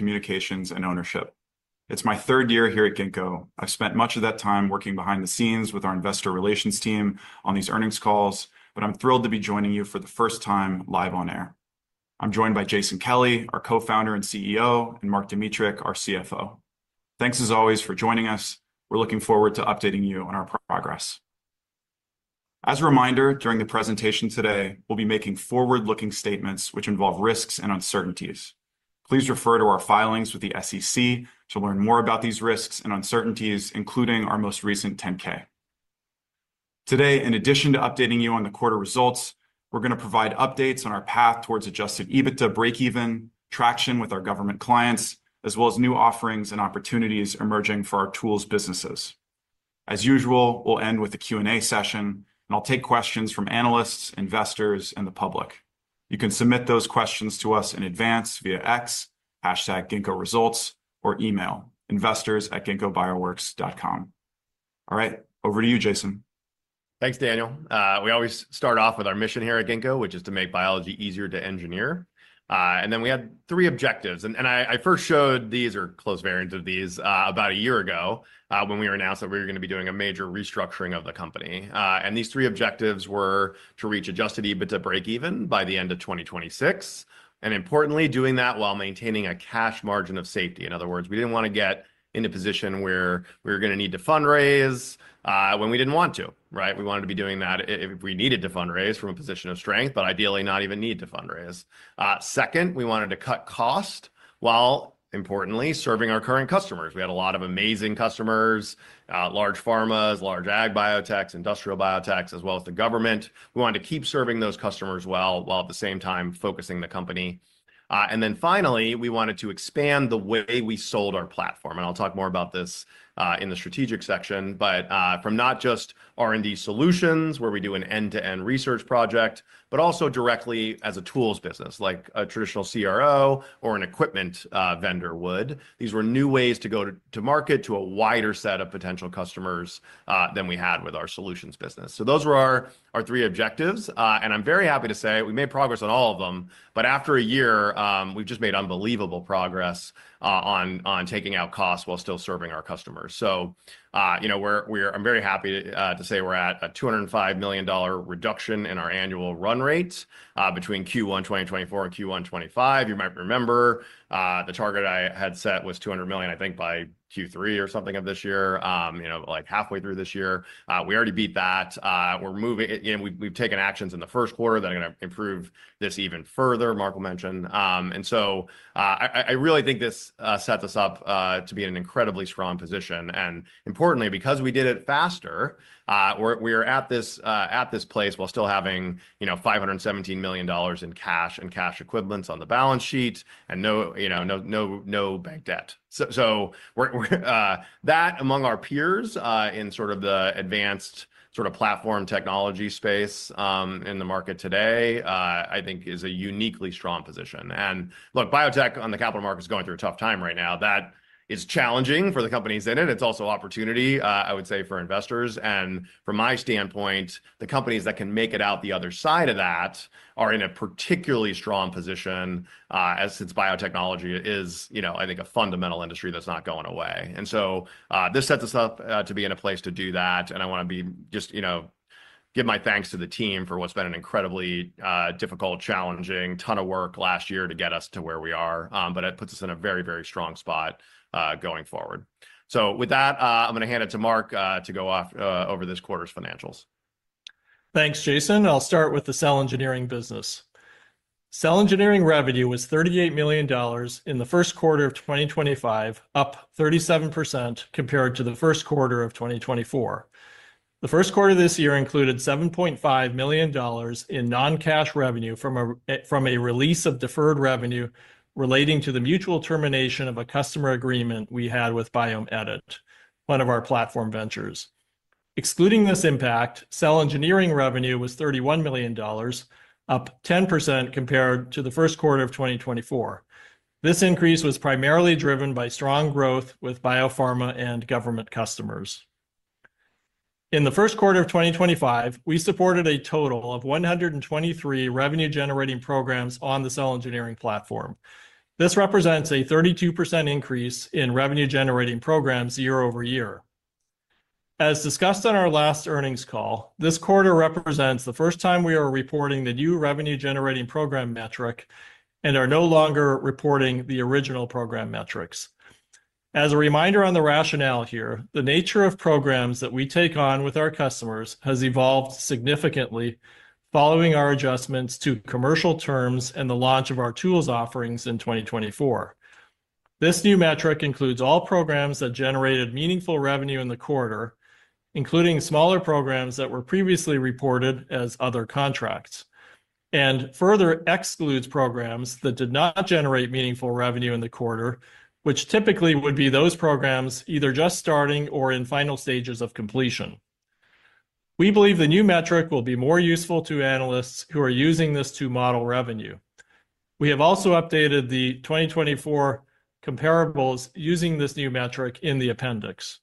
Communications and ownership. It's my third year here at Ginkgo. I've spent much of that time working behind the scenes with our investor relations team on these earnings calls, but I'm thrilled to be joining you for the first time live on air. I'm joined by Jason Kelly, our Co-founder and CEO, and Mark Dmytruk, our CFO. Thanks, as always, for joining us. We're looking forward to updating you on our progress. As a reminder, during the presentation today, we'll be making forward-looking statements which involve risks and uncertainties. Please refer to our filings with the SEC to learn more about these risks and uncertainties, including our most recent 10-K. Today, in addition to updating you on the quarter results, we're going to provide updates on our path towards adjusted EBITDA break-even, traction with our government clients, as well as new offerings and opportunities emerging for our tools businesses. As usual, we'll end with a Q&A session, and I'll take questions from analysts, investors, and the public. You can submit those questions to us in advance via X, #GinkgoResults, or email investors@ginkgobioworks.com. All right, over to you, Jason. Thanks, Daniel. We always start off with our mission here at Ginkgo, which is to make biology easier to engineer. We had three objectives. I first showed these, or close variants of these, about a year ago when we announced that we were going to be doing a major restructuring of the company. These three objectives were to reach adjusted EBITDA break-even by the end of 2026, and importantly, doing that while maintaining a cash margin of safety. In other words, we did not want to get into a position where we were going to need to fundraise when we did not want to, right? We wanted to be doing that if we needed to fundraise from a position of strength, but ideally not even need to fundraise. Second, we wanted to cut costs while, importantly, serving our current customers. We had a lot of amazing customers: large pharmas, large ag biotechs, industrial biotechs, as well as the government. We wanted to keep serving those customers well while, at the same time, focusing the company. Finally, we wanted to expand the way we sold our platform. I'll talk more about this in the strategic section, but from not just R&D solutions, where we do an end-to-end research project, but also directly as a tools business, like a traditional CRO or an equipment vendor would. These were new ways to go to market to a wider set of potential customers than we had with our solutions business. Those were our three objectives. I'm very happy to say we made progress on all of them, but after a year, we've just made unbelievable progress on taking out costs while still serving our customers. I'm very happy to say we're at a $205 million reduction in our annual run rate between Q1 2024 and Q1 2025. You might remember the target I had set was $200 million, I think, by Q3 or something of this year, like halfway through this year. We already beat that. We're moving and we've taken actions in the first quarter that are going to improve this even further, Mark will mention. I really think this sets us up to be in an incredibly strong position. Importantly, because we did it faster, we are at this place while still having $517 million in cash and cash equivalents on the balance sheet and no bank debt. That among our peers in sort of the advanced sort of platform technology space in the market today, I think, is a uniquely strong position. Look, biotech on the capital market is going through a tough time right now. That is challenging for the companies in it. It's also opportunity, I would say, for investors. From my standpoint, the companies that can make it out the other side of that are in a particularly strong position since biotechnology is, I think, a fundamental industry that's not going away. This sets us up to be in a place to do that. I want to just give my thanks to the team for what's been an incredibly difficult, challenging ton of work last year to get us to where we are. It puts us in a very, very strong spot going forward. With that, I'm going to hand it to Mark to go off over this quarter's financials. Thanks, Jason. I'll start with the cell engineering business. Cell engineering revenue was $38 million in the first quarter of 2025, up 37% compared to the first quarter of 2024. The first quarter of this year included $7.5 million in non-cash revenue from a release of deferred revenue relating to the mutual termination of a customer agreement we had with Biomedit, one of our platform ventures. Excluding this impact, cell engineering revenue was $31 million, up 10% compared to the first quarter of 2024. This increase was primarily driven by strong growth with biopharma and government customers. In the first quarter of 2025, we supported a total of 123 revenue-generating programs on the cell engineering platform. This represents a 32% increase in revenue-generating programs year over year. As discussed on our last earnings call, this quarter represents the first time we are reporting the new revenue-generating program metric and are no longer reporting the original program metrics. As a reminder on the rationale here, the nature of programs that we take on with our customers has evolved significantly following our adjustments to commercial terms and the launch of our tools offerings in 2024. This new metric includes all programs that generated meaningful revenue in the quarter, including smaller programs that were previously reported as other contracts, and further excludes programs that did not generate meaningful revenue in the quarter, which typically would be those programs either just starting or in final stages of completion. We believe the new metric will be more useful to analysts who are using this to model revenue. We have also updated the 2024 comparables using this new metric in the appendix.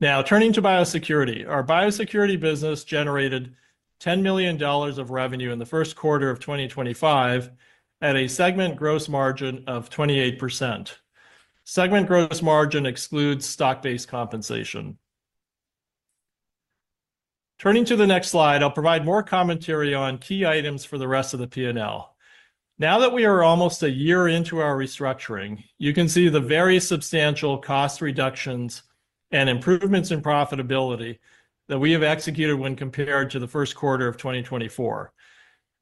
Now, turning to biosecurity, our biosecurity business generated $10 million of revenue in the first quarter of 2025 at a segment gross margin of 28%. Segment gross margin excludes stock-based compensation. Turning to the next slide, I'll provide more commentary on key items for the rest of the P&L. Now that we are almost a year into our restructuring, you can see the very substantial cost reductions and improvements in profitability that we have executed when compared to the first quarter of 2024.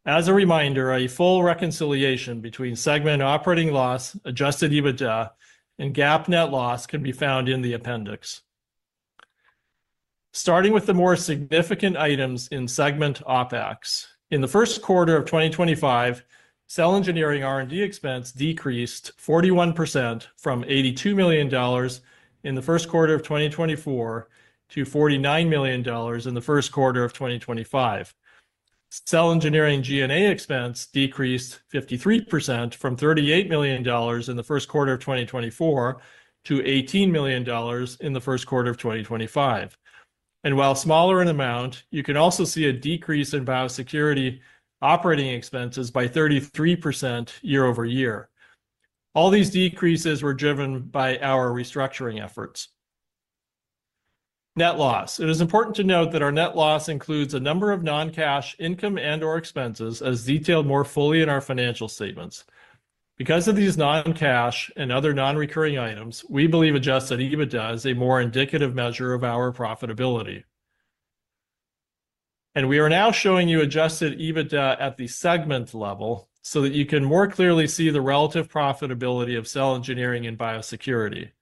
As a reminder, a full reconciliation between segment operating loss, adjusted EBITDA, and GAAP net loss can be found in the appendix. Starting with the more significant items in segment OpEx, in the first quarter of 2025, cell engineering R&D expense decreased 41% from $82 million in the first quarter of 2024 to $49 million in the first quarter of 2025. Cell engineering G&A expense decreased 53% from $38 million in the first quarter of 2024 to $18 million in the first quarter of 2025. While smaller in amount, you can also see a decrease in biosecurity operating expenses by 33% year over year. All these decreases were driven by our restructuring efforts. Net loss, it is important to note that our net loss includes a number of non-cash income and/or expenses, as detailed more fully in our financial statements. Because of these non-cash and other non-recurring items, we believe adjusted EBITDA is a more indicative measure of our profitability. We are now showing you adjusted EBITDA at the segment level so that you can more clearly see the relative profitability of cell engineering and biosecurity.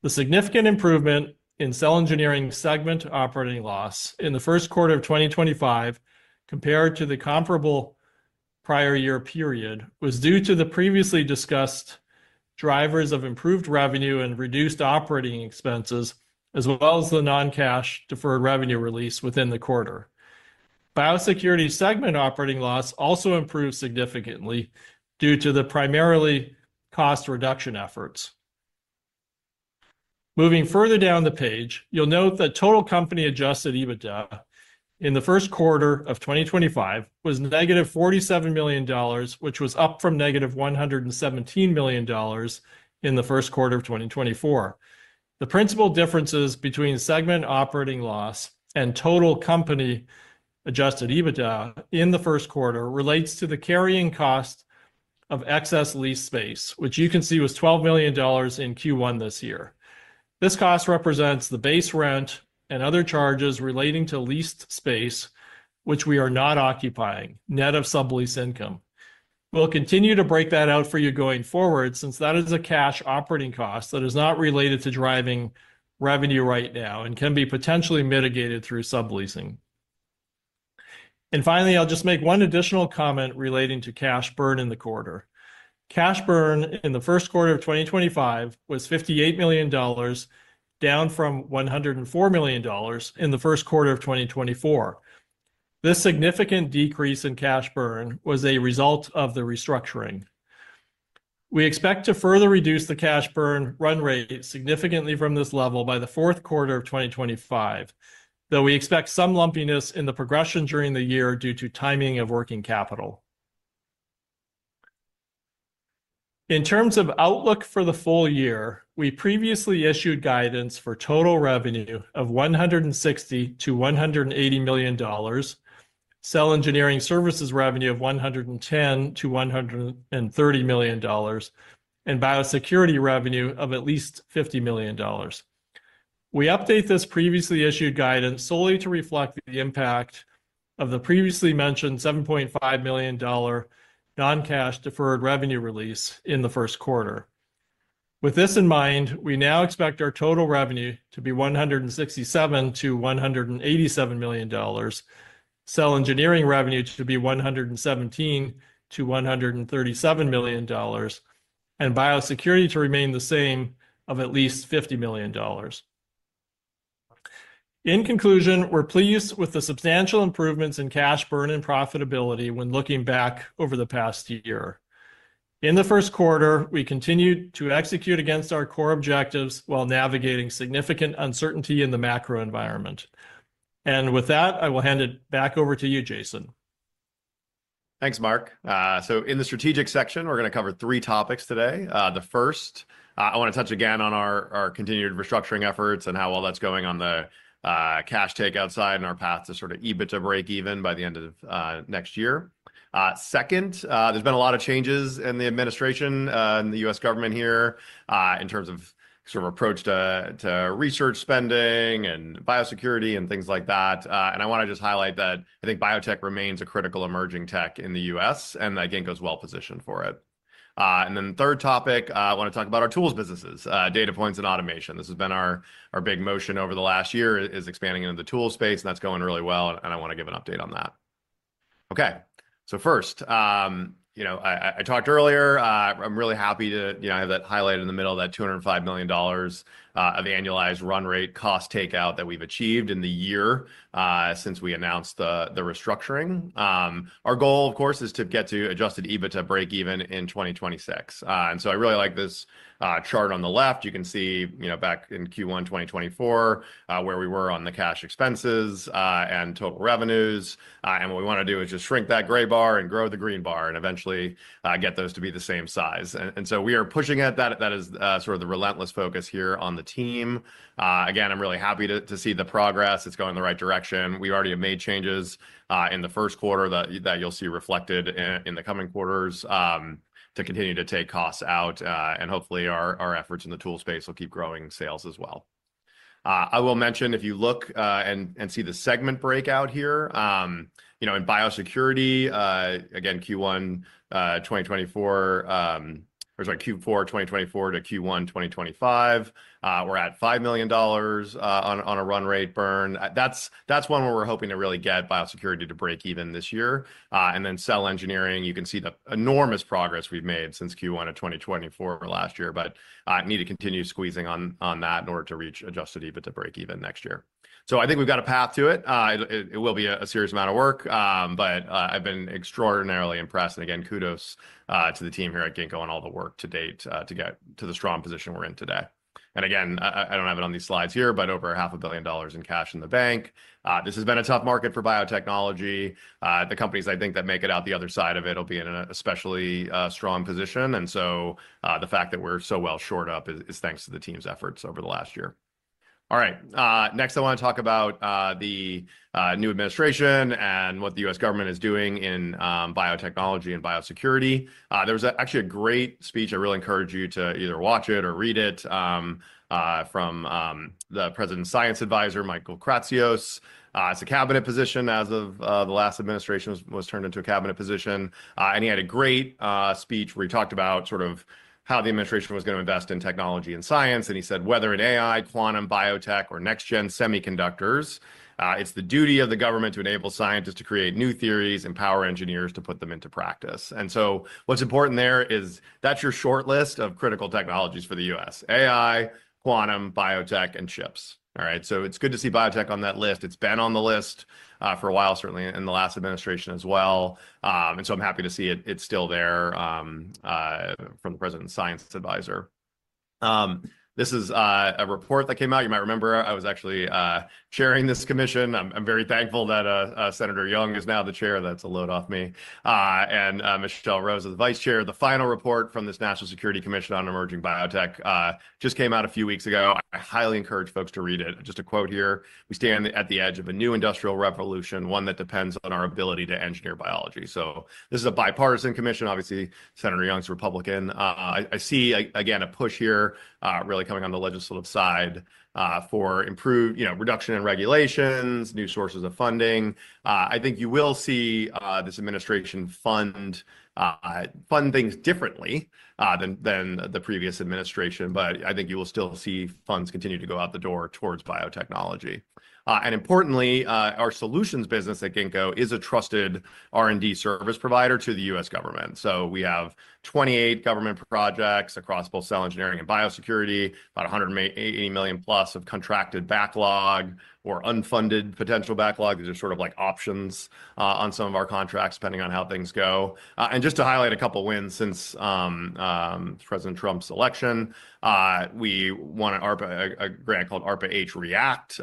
The significant improvement in cell engineering segment operating loss in the first quarter of 2025, compared to the comparable prior year period, was due to the previously discussed drivers of improved revenue and reduced operating expenses, as well as the non-cash deferred revenue release within the quarter. Biosecurity segment operating loss also improved significantly due to the primarily cost reduction efforts. Moving further down the page, you'll note that total company adjusted EBITDA in the first quarter of 2025 was negative $47 million, which was up from negative $117 million in the first quarter of 2024. The principal differences between segment operating loss and total company adjusted EBITDA in the first quarter relates to the carrying cost of excess lease space, which you can see was $12 million in Q1 this year. This cost represents the base rent and other charges relating to leased space, which we are not occupying, net of sublease income. We will continue to break that out for you going forward since that is a cash operating cost that is not related to driving revenue right now and can be potentially mitigated through subleasing. Finally, I will just make one additional comment relating to cash burn in the quarter. Cash burn in the first quarter of 2025 was $58 million, down from $104 million in the first quarter of 2024. This significant decrease in cash burn was a result of the restructuring. We expect to further reduce the cash burn run rate significantly from this level by the fourth quarter of 2025, though we expect some lumpiness in the progression during the year due to timing of working capital. In terms of outlook for the full year, we previously issued guidance for total revenue of $160-$180 million, cell engineering services revenue of $110-$130 million, and biosecurity revenue of at least $50 million. We update this previously issued guidance solely to reflect the impact of the previously mentioned $7.5 million non-cash deferred revenue release in the first quarter. With this in mind, we now expect our total revenue to be $167-$187 million, cell engineering revenue to be $117-$137 million, and biosecurity to remain the same of at least $50 million. In conclusion, we're pleased with the substantial improvements in cash burn and profitability when looking back over the past year. In the first quarter, we continued to execute against our core objectives while navigating significant uncertainty in the macro environment. With that, I will hand it back over to you, Jason. Thanks, Mark. In the strategic section, we're going to cover three topics today. The first, I want to touch again on our continued restructuring efforts and how well that's going on the cash takeout side and our path to sort of EBITDA break-even by the end of next year. Second, there's been a lot of changes in the administration, in the U.S. government here, in terms of sort of approach to research spending and biosecurity and things like that. I want to just highlight that I think biotech remains a critical emerging tech in the U.S., and that Ginkgo's well positioned for it. The third topic, I want to talk about our tools businesses, data points and automation. This has been our big motion over the last year is expanding into the tools space, and that's going really well, and I want to give an update on that. Okay. First, I talked earlier, I'm really happy to have that highlighted in the middle, that $205 million of the annualized run rate cost takeout that we've achieved in the year since we announced the restructuring. Our goal, of course, is to get to adjusted EBITDA break-even in 2026. I really like this chart on the left. You can see back in Q1 2024 where we were on the cash expenses and total revenues. What we want to do is just shrink that gray bar and grow the green bar and eventually get those to be the same size. We are pushing at that. That is sort of the relentless focus here on the team. Again, I'm really happy to see the progress. It's going in the right direction. We already have made changes in the first quarter that you'll see reflected in the coming quarters to continue to take costs out. Hopefully, our efforts in the tool space will keep growing sales as well. I will mention, if you look and see the segment breakout here, in biosecurity, again, Q1 2024, or sorry, Q4 2024 to Q1 2025, we're at $5 million on a run rate burn. That's one where we're hoping to really get biosecurity to break even this year. In cell engineering, you can see the enormous progress we've made since Q1 of 2024 last year, but need to continue squeezing on that in order to reach adjusted EBITDA break-even next year. I think we've got a path to it. It will be a serious amount of work, but I've been extraordinarily impressed. Again, kudos to the team here at Ginkgo and all the work to date to get to the strong position we're in today. I don't have it on these slides here, but over $500,000,000 in cash in the bank. This has been a tough market for biotechnology. The companies I think that make it out the other side of it will be in an especially strong position. The fact that we're so well shored up is thanks to the team's efforts over the last year. Next, I want to talk about the new administration and what the U.S. government is doing in biotechnology and biosecurity. There was actually a great speech. I really encourage you to either watch it or read it from the President's Science Advisor, Michael Kratsios. It is a cabinet position as of the last administration was turned into a cabinet position. He had a great speech where he talked about sort of how the administration was going to invest in technology and science. He said, "Whether in AI, quantum, biotech, or next-gen semiconductors, it's the duty of the government to enable scientists to create new theories and power engineers to put them into practice." What is important there is that is your shortlist of critical technologies for the U.S.: AI, quantum, biotech, and chips. All right. It is good to see biotech on that list. It has been on the list for a while, certainly in the last administration as well. I am happy to see it is still there from the President's Science Advisor. This is a report that came out. You might remember I was actually chairing this commission. I'm very thankful that Senator Young is now the chair. That's a load off me. And Michelle Rose is the Vice Chair. The final report from this National Security Commission on Emerging Biotech just came out a few weeks ago. I highly encourage folks to read it. Just a quote here, "We stand at the edge of a new industrial revolution, one that depends on our ability to engineer biology." This is a bipartisan commission. Obviously, Senator Young is Republican. I see, again, a push here really coming on the legislative side for reduction in regulations, new sources of funding. I think you will see this administration fund things differently than the previous administration, but I think you will still see funds continue to go out the door towards biotechnology. Importantly, our solutions business at Ginkgo is a trusted R&D service provider to the U.S. government. We have 28 government projects across both cell engineering and biosecurity, about $180 million plus of contracted backlog or unfunded potential backlog. These are sort of like options on some of our contracts depending on how things go. Just to highlight a couple of wins since President Trump's election, we won a grant called ARPA-H React.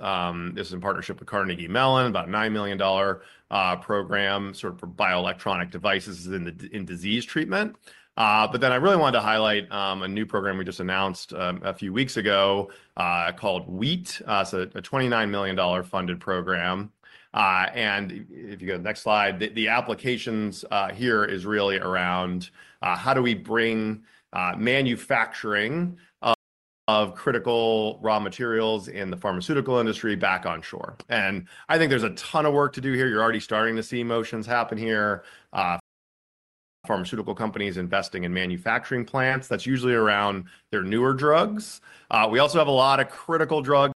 This is in partnership with Carnegie Mellon University, about a $9 million program for bioelectronic devices in disease treatment. I really wanted to highlight a new program we just announced a few weeks ago called WHEAT. It's a $29 million funded program. If you go to the next slide, the applications here are really around how we bring manufacturing of critical raw materials in the pharmaceutical industry back on shore. I think there's a ton of work to do here. You're already starting to see motions happen here for pharmaceutical companies investing in manufacturing plants. That's usually around their newer drugs. We also have a lot of critical drugs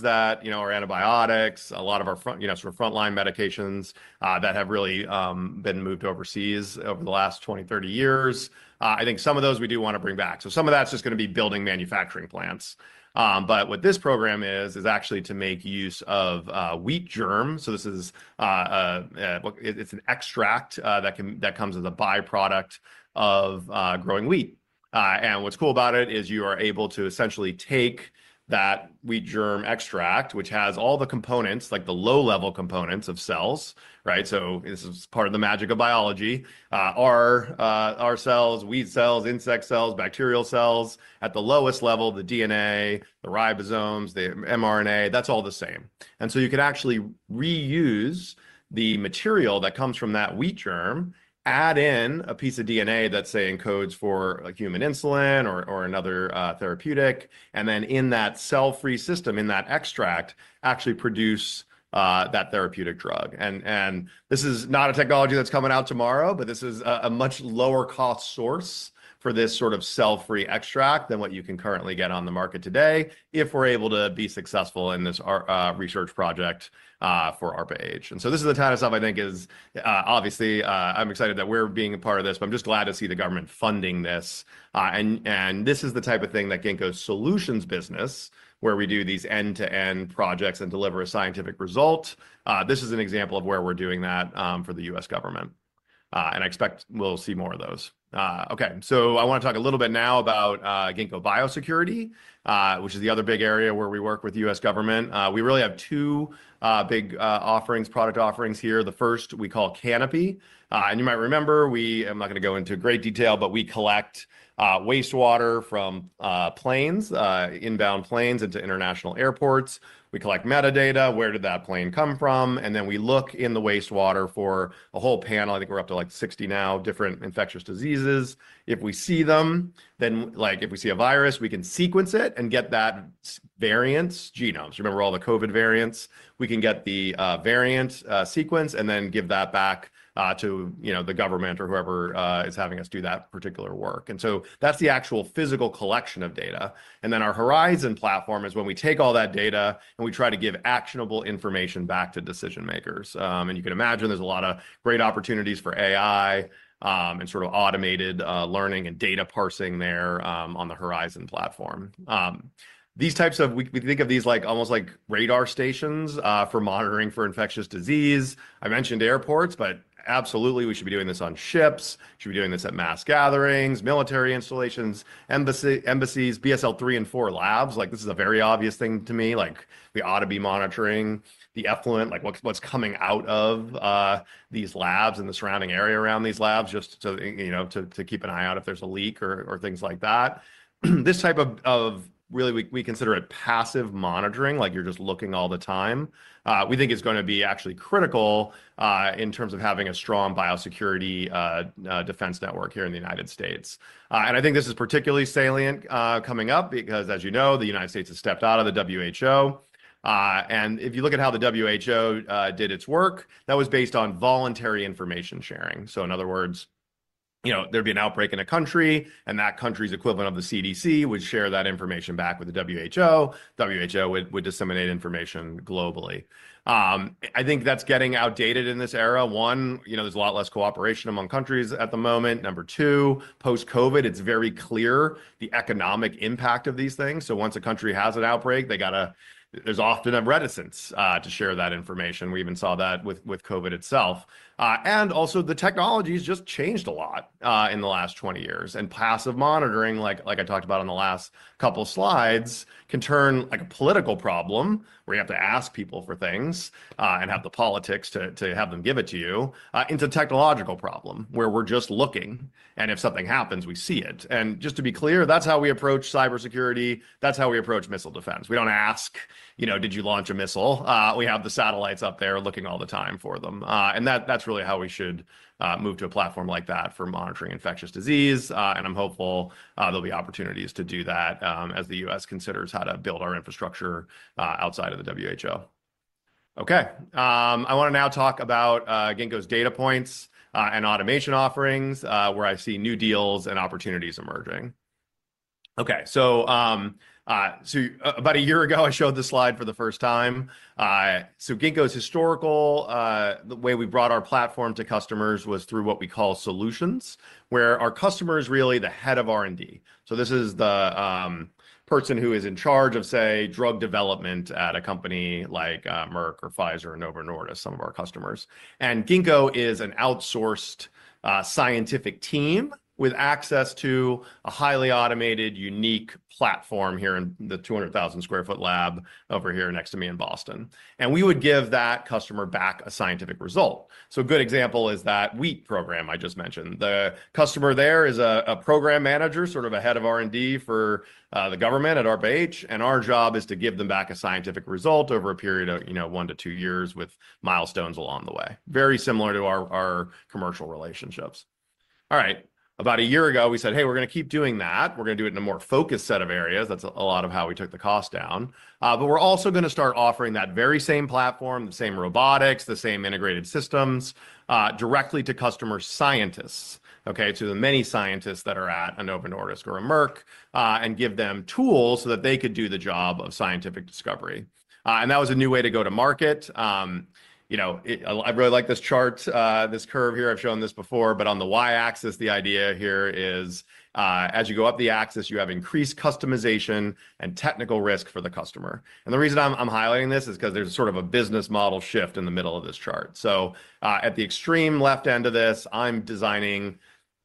that are antibiotics, a lot of our sort of frontline medications that have really been moved overseas over the last 20-30 years. I think some of those we do want to bring back. Some of that's just going to be building manufacturing plants. What this program is, is actually to make use of wheat germ. This is an extract that comes as a byproduct of growing wheat. What's cool about it is you are able to essentially take that wheat germ extract, which has all the components, like the low-level components of cells, right? This is part of the magic of biology. Our cells, wheat cells, insect cells, bacterial cells at the lowest level, the DNA, the ribosomes, the mRNA, that's all the same. You can actually reuse the material that comes from that wheat germ, add in a piece of DNA that, say, encodes for human insulin or another therapeutic, and then in that cell-free system, in that extract, actually produce that therapeutic drug. This is not a technology that's coming out tomorrow, but this is a much lower-cost source for this sort of cell-free extract than what you can currently get on the market today if we're able to be successful in this research project for ARPA-H. This is the kind of stuff I think is obviously I'm excited that we're being a part of this, but I'm just glad to see the government funding this. This is the type of thing that Ginkgo's solutions business, where we do these end-to-end projects and deliver a scientific result, this is an example of where we're doing that for the U.S. government. I expect we'll see more of those. I want to talk a little bit now about Ginkgo Biosecurity, which is the other big area where we work with the U.S. government. We really have two big product offerings here. The first we call Canopy. You might remember, I'm not going to go into great detail, but we collect wastewater from planes, inbound planes into international airports. We collect metadata, where did that plane come from? We look in the wastewater for a whole panel. I think we're up to like 60 now, different infectious diseases. If we see them, then if we see a virus, we can sequence it and get that variant's genomes. Remember all the COVID variants? We can get the variant's sequence and then give that back to the government or whoever is having us do that particular work. That is the actual physical collection of data. Our Horizon platform is when we take all that data and we try to give actionable information back to decision-makers. You can imagine there are a lot of great opportunities for AI and sort of automated learning and data parsing there on the Horizon platform. We think of these almost like radar stations for monitoring for infectious disease. I mentioned airports, but absolutely we should be doing this on ships. We should be doing this at mass gatherings, military installations, embassies, BSL-3 and 4 labs. This is a very obvious thing to me. We ought to be monitoring the effluent, what's coming out of these labs and the surrounding area around these labs just to keep an eye out if there's a leak or things like that. This type of really we consider it passive monitoring, like you're just looking all the time. We think it's going to be actually critical in terms of having a strong biosecurity defense network here in the United States. I think this is particularly salient coming up because, as you know, the United States has stepped out of the WHO. If you look at how the WHO did its work, that was based on voluntary information sharing. In other words, there'd be an outbreak in a country, and that country's equivalent of the CDC would share that information back with the WHO. WHO would disseminate information globally. I think that's getting outdated in this era. One, there's a lot less cooperation among countries at the moment. Number two, post-COVID, it's very clear the economic impact of these things. Once a country has an outbreak, there's often a reticence to share that information. We even saw that with COVID itself. Also, the technology has just changed a lot in the last 20 years. Passive monitoring, like I talked about on the last couple of slides, can turn a political problem where you have to ask people for things and have the politics to have them give it to you into a technological problem where we're just looking. If something happens, we see it. Just to be clear, that's how we approach cybersecurity. That's how we approach missile defense. We do not ask, "Did you launch a missile?" We have the satellites up there looking all the time for them. That is really how we should move to a platform like that for monitoring infectious disease. I am hopeful there will be opportunities to do that as the U.S. considers how to build our infrastructure outside of the WHO. Okay. I want to now talk about Ginkgo's data points and automation offerings where I see new deals and opportunities emerging. Okay. About a year ago, I showed this slide for the first time. Ginkgo's historical, the way we brought our platform to customers was through what we call solutions, where our customer is really the head of R&D. This is the person who is in charge of, say, drug development at a company like Merck or Pfizer and Novo Nordisk, some of our customers. Ginkgo is an outsourced scientific team with access to a highly automated, unique platform here in the 200,000 sq ft lab over here next to me in Boston. We would give that customer back a scientific result. A good example is that wheat program I just mentioned. The customer there is a program manager, sort of a head of R&D for the government at ARPA-H. Our job is to give them back a scientific result over a period of one to two years with milestones along the way. Very similar to our commercial relationships. About a year ago, we said, "Hey, we're going to keep doing that. We're going to do it in a more focused set of areas." That's a lot of how we took the cost down. We're also going to start offering that very same platform, the same robotics, the same integrated systems directly to customer scientists, okay, to the many scientists that are at a Novo Nordisk or a Merck, and give them tools so that they could do the job of scientific discovery. That was a new way to go to market. I really like this chart, this curve here. I've shown this before. On the y-axis, the idea here is, as you go up the axis, you have increased customization and technical risk for the customer. The reason I'm highlighting this is because there's sort of a business model shift in the middle of this chart. At the extreme left end of this, I'm designing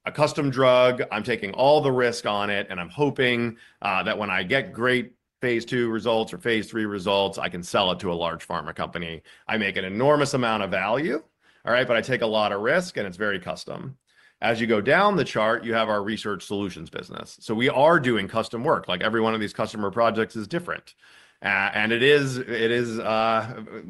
a custom drug. I'm taking all the risk on it. I'm hoping that when I get great phase two results or phase three results, I can sell it to a large pharma company. I make an enormous amount of value, all right, but I take a lot of risk, and it's very custom. As you go down the chart, you have our research solutions business. We are doing custom work. Every one of these customer projects is different. It is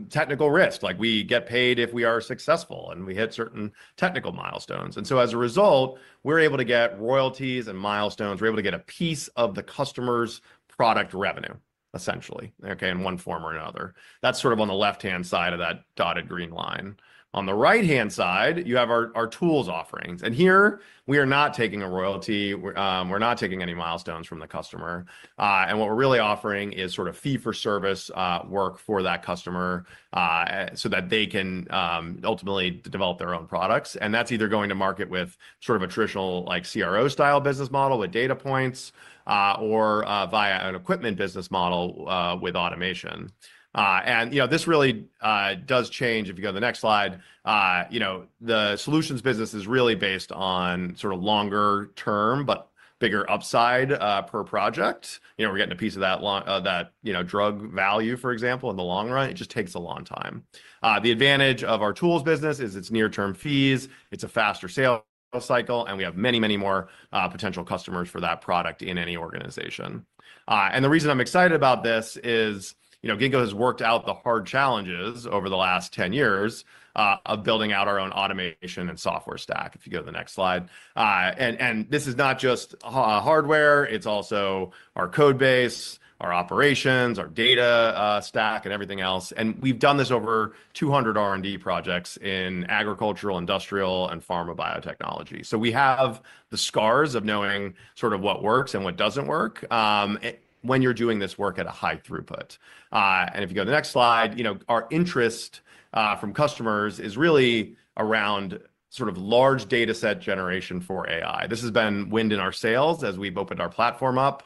technical risk. We get paid if we are successful and we hit certain technical milestones. As a result, we're able to get royalties and milestones. We're able to get a piece of the customer's product revenue, essentially, in one form or another. That's sort of on the left-hand side of that dotted green line. On the right-hand side, you have our tools offerings. Here, we are not taking a royalty. We're not taking any milestones from the customer. What we're really offering is sort of fee-for-service work for that customer so that they can ultimately develop their own products. That's either going to market with sort of a traditional CRO-style business model with data points or via an equipment business model with automation. This really does change. If you go to the next slide, the solutions business is really based on sort of longer-term but bigger upside per project. We're getting a piece of that drug value, for example, in the long run. It just takes a long time. The advantage of our tools business is it's near-term fees. It's a faster sales cycle. We have many, many more potential customers for that product in any organization. The reason I'm excited about this is Ginkgo has worked out the hard challenges over the last 10 years of building out our own automation and software stack. If you go to the next slide. This is not just hardware. It's also our code base, our operations, our data stack, and everything else. We've done this over 200 R&D projects in agricultural, industrial, and pharma biotechnology. We have the scars of knowing sort of what works and what doesn't work when you're doing this work at a high throughput. If you go to the next slide, our interest from customers is really around sort of large dataset generation for AI. This has been wind in our sails as we've opened our platform up.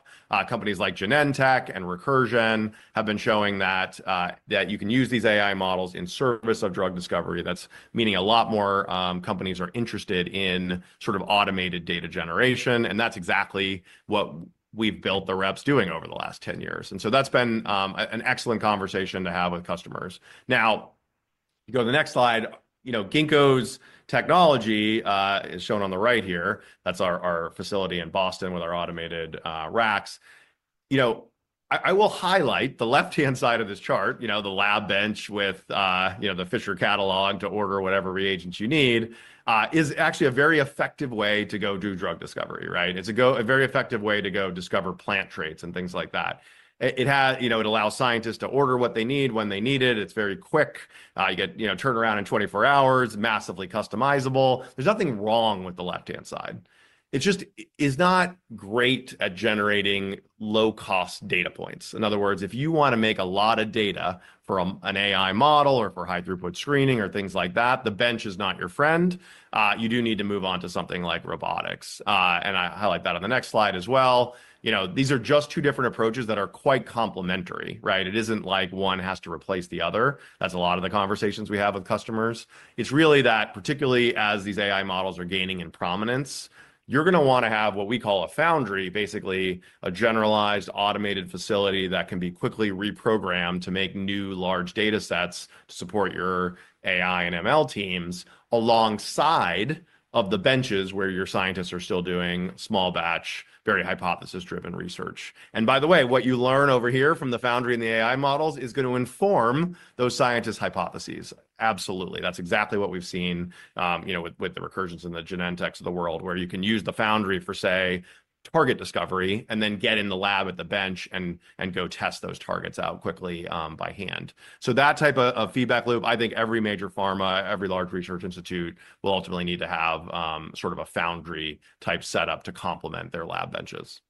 Companies like Genentech and Recursion have been showing that you can use these AI models in service of drug discovery. That's meaning a lot more companies are interested in sort of automated data generation. And that's exactly what we've built the reps doing over the last 10 years. And so that's been an excellent conversation to have with customers. Now, if you go to the next slide, Ginkgo's technology is shown on the right here. That's our facility in Boston with our automated racks. I will highlight the left-hand side of this chart, the lab bench with the Fisher catalog to order whatever reagents you need is actually a very effective way to go do drug discovery, right? It's a very effective way to go discover plant traits and things like that. It allows scientists to order what they need when they need it. It's very quick. You get turnaround in 24 hours, massively customizable. There's nothing wrong with the left-hand side. It just is not great at generating low-cost data points. In other words, if you want to make a lot of data for an AI model or for high-throughput screening or things like that, the bench is not your friend. You do need to move on to something like robotics. I highlight that on the next slide as well. These are just two different approaches that are quite complementary, right? It isn't like one has to replace the other. That's a lot of the conversations we have with customers. It's really that, particularly as these AI models are gaining in prominence, you're going to want to have what we call a foundry, basically a generalized automated facility that can be quickly reprogrammed to make new large datasets to support your AI and ML teams alongside of the benches where your scientists are still doing small-batch, very hypothesis-driven research. By the way, what you learn over here from the foundry and the AI models is going to inform those scientists' hypotheses. Absolutely. That's exactly what we've seen with the Recursions and the Genentechs of the world, where you can use the foundry for, say, target discovery and then get in the lab at the bench and go test those targets out quickly by hand. That type of feedback loop, I think every major pharma, every large research institute will ultimately need to have sort of a foundry-type setup to complement their lab benches.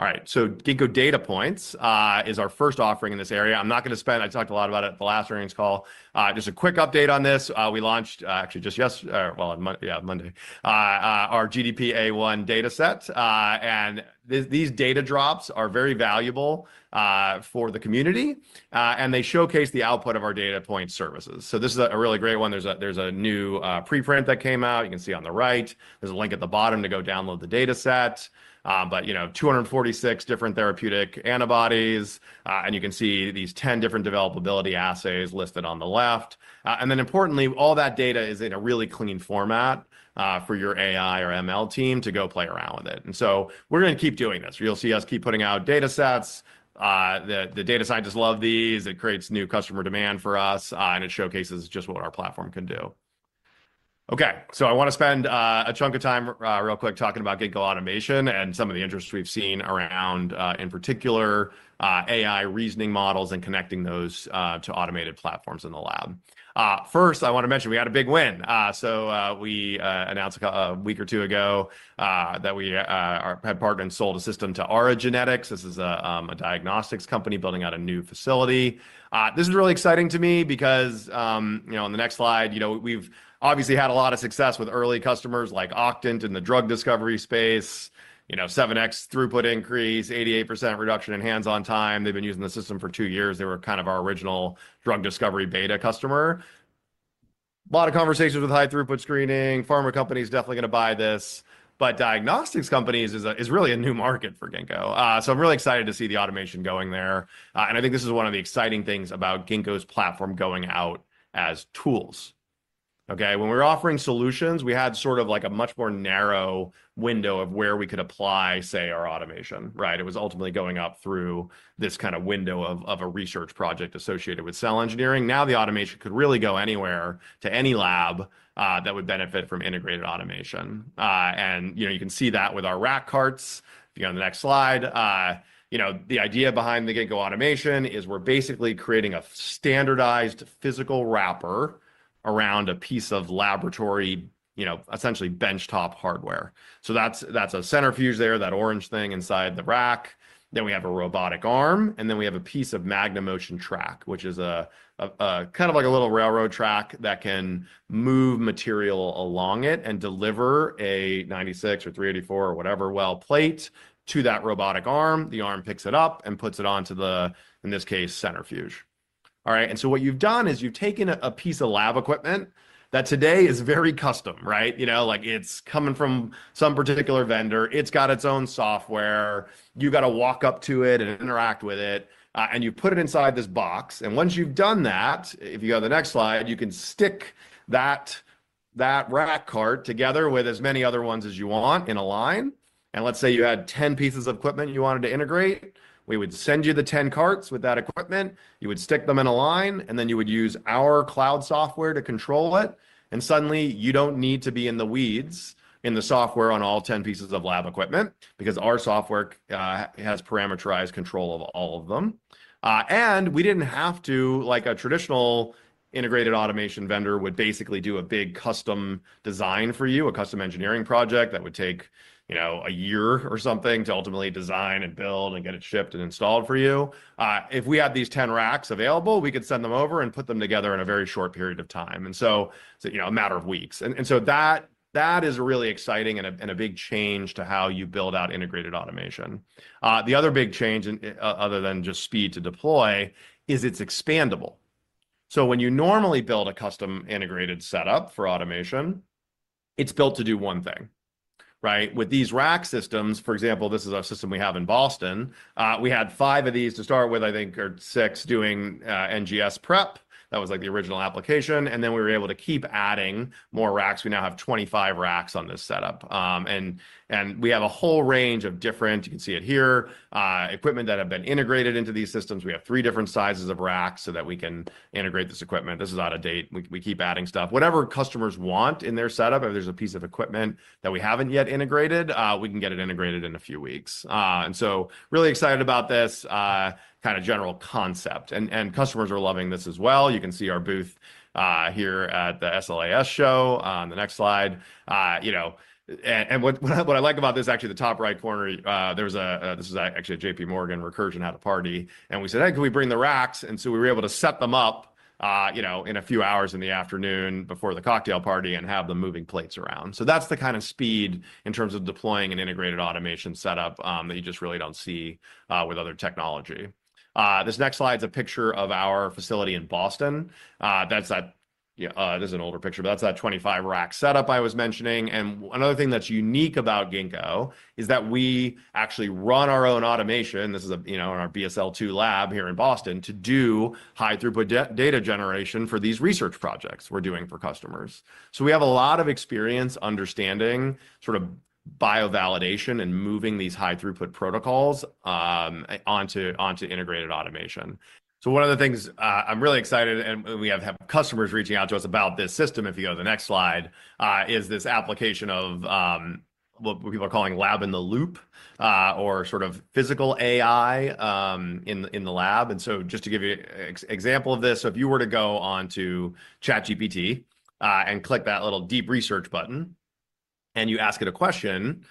All right. Ginkgo Data Points is our first offering in this area. I'm not going to spend—I talked a lot about it at the last earnings call. Just a quick update on this. We launched, actually, just yesterday or, yeah, Monday, our GDP A1 Dataset. These data drops are very valuable for the community. They showcase the output of our Data Points services. This is a really great one. There is a new preprint that came out. You can see on the right, there is a link at the bottom to go download the dataset. There are 246 different therapeutic antibodies. You can see these 10 different developability assays listed on the left. Importantly, all that data is in a really clean format for your AI or ML team to go play around with it. We are going to keep doing this. You will see us keep putting out datasets. The data scientists love these. It creates new customer demand for us. It showcases just what our platform can do. Okay. I want to spend a chunk of time real quick talking about Ginkgo Automation and some of the interests we've seen around, in particular, AI reasoning models and connecting those to automated platforms in the lab. First, I want to mention we had a big win. We announced a week or two ago that we had partnered and sold a system to Aura Genetics. This is a diagnostics company building out a new facility. This is really exciting to me because on the next slide, we've obviously had a lot of success with early customers like Octant in the drug discovery space, 7x throughput increase, 88% reduction in hands-on time. They've been using the system for two years. They were kind of our original drug discovery beta customer. A lot of conversations with high-throughput screening. Pharma companies are definitely going to buy this. Diagnostics companies is really a new market for Ginkgo. I am really excited to see the automation going there. I think this is one of the exciting things about Ginkgo's platform going out as tools. Okay. When we were offering solutions, we had sort of a much more narrow window of where we could apply, say, our automation, right? It was ultimately going up through this kind of window of a research project associated with cell engineering. Now, the automation could really go anywhere to any lab that would benefit from integrated automation. You can see that with our rack carts. If you go to the next slide, the idea behind the Ginkgo Automation is we are basically creating a standardized physical wrapper around a piece of laboratory, essentially benchtop hardware. That is a centrifuge there, that orange thing inside the rack. We have a robotic arm. We have a piece of magnet motion track, which is kind of like a little railroad track that can move material along it and deliver a 96 or 384 or whatever well plate to that robotic arm. The arm picks it up and puts it onto the, in this case, centrifuge. All right. What you have done is you have taken a piece of lab equipment that today is very custom, right? It is coming from some particular vendor. It has its own software. You have to walk up to it and interact with it. You put it inside this box. Once you have done that, if you go to the next slide, you can stick that rack cart together with as many other ones as you want in a line. Let's say you had 10 pieces of equipment you wanted to integrate. We would send you the 10 carts with that equipment. You would stick them in a line. You would use our cloud software to control it. Suddenly, you do not need to be in the weeds in the software on all 10 pieces of lab equipment because our software has parameterized control of all of them. We did not have to, like a traditional integrated automation vendor would basically do a big custom design for you, a custom engineering project that would take a year or something to ultimately design and build and get it shipped and installed for you. If we had these 10 racks available, we could send them over and put them together in a very short period of time. It is a matter of weeks. That is really exciting and a big change to how you build out integrated automation. The other big change, other than just speed to deploy, is it's expandable. When you normally build a custom integrated setup for automation, it's built to do one thing, right? With these rack systems, for example, this is our system we have in Boston. We had five of these to start with, I think, or six doing NGS prep. That was the original application. We were able to keep adding more racks. We now have 25 racks on this setup. We have a whole range of different, you can see it here, equipment that have been integrated into these systems. We have three different sizes of racks so that we can integrate this equipment. This is out of date. We keep adding stuff. Whatever customers want in their setup, if there's a piece of equipment that we haven't yet integrated, we can get it integrated in a few weeks. I am really excited about this kind of general concept. Customers are loving this as well. You can see our booth here at the SLAS show on the next slide. What I like about this, actually, the top right corner, this is actually a JPMorgan Recursion had a party. We said, "Hey, can we bring the racks?" We were able to set them up in a few hours in the afternoon before the cocktail party and have them moving plates around. That is the kind of speed in terms of deploying an integrated automation setup that you just really do not see with other technology. This next slide is a picture of our facility in Boston. There's an older picture, but that's that 25-rack setup I was mentioning. Another thing that's unique about Ginkgo is that we actually run our own automation. This is in our BSL2 lab here in Boston to do high-throughput data generation for these research projects we're doing for customers. We have a lot of experience understanding sort of biovalidation and moving these high-throughput protocols onto integrated automation. One of the things I'm really excited, and we have customers reaching out to us about this system, if you go to the next slide, is this application of what people are calling lab in the loop or sort of physical AI in the lab. Just to give you an example of this, if you were to go on to ChatGPT and click that little deep research button and you ask it a question,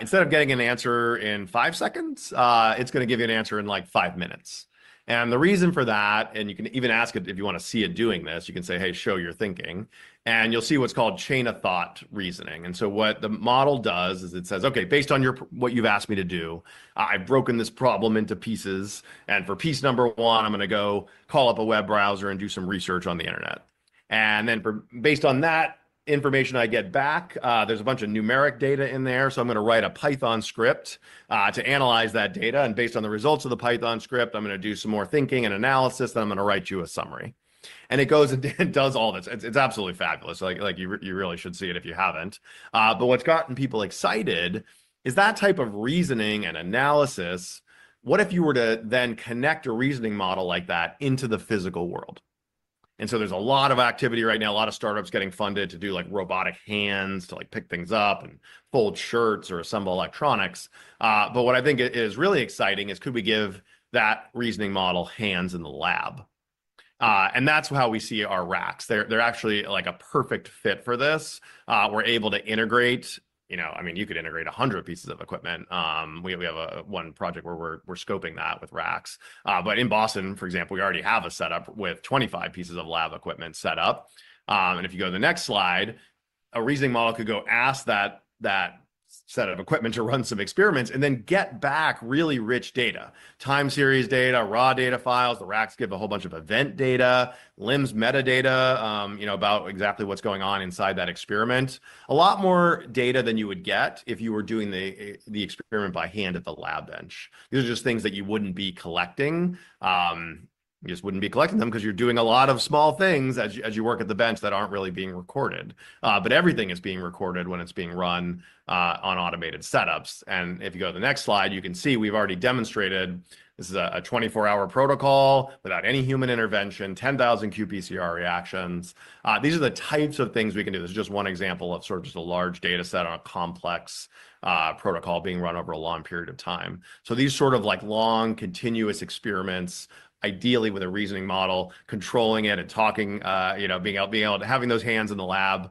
instead of getting an answer in five seconds, it's going to give you an answer in like five minutes. The reason for that, and you can even ask it if you want to see it doing this, you can say, "Hey, show your thinking." You'll see what's called chain-of-thought reasoning. What the model does is it says, "Okay, based on what you've asked me to do, I've broken this problem into pieces. For piece number one, I'm going to go call up a web browser and do some research on the internet." Then based on that information I get back, there's a bunch of numeric data in there. I'm going to write a Python script to analyze that data. Based on the results of the Python script, I'm going to do some more thinking and analysis. Then I'm going to write you a summary. It goes and does all this. It's absolutely fabulous. You really should see it if you haven't. What's gotten people excited is that type of reasoning and analysis. What if you were to then connect a reasoning model like that into the physical world? There is a lot of activity right now, a lot of startups getting funded to do robotic hands to pick things up and fold shirts or assemble electronics. What I think is really exciting is could we give that reasoning model hands in the lab? That's how we see our racks. They're actually a perfect fit for this. We're able to integrate, I mean, you could integrate 100 pieces of equipment. We have one project where we're scoping that with racks. In Boston, for example, we already have a setup with 25 pieces of lab equipment set up. If you go to the next slide, a reasoning model could go ask that set of equipment to run some experiments and then get back really rich data, time series data, raw data files. The racks give a whole bunch of event data, LIMS metadata about exactly what's going on inside that experiment. A lot more data than you would get if you were doing the experiment by hand at the lab bench. These are just things that you wouldn't be collecting. You just wouldn't be collecting them because you're doing a lot of small things as you work at the bench that aren't really being recorded. Everything is being recorded when it's being run on automated setups. If you go to the next slide, you can see we've already demonstrated this is a 24-hour protocol without any human intervention, 10,000 qPCR reactions. These are the types of things we can do. This is just one example of a large dataset on a complex protocol being run over a long period of time. These long continuous experiments, ideally with a reasoning model controlling it and talking, being able to have those hands in the lab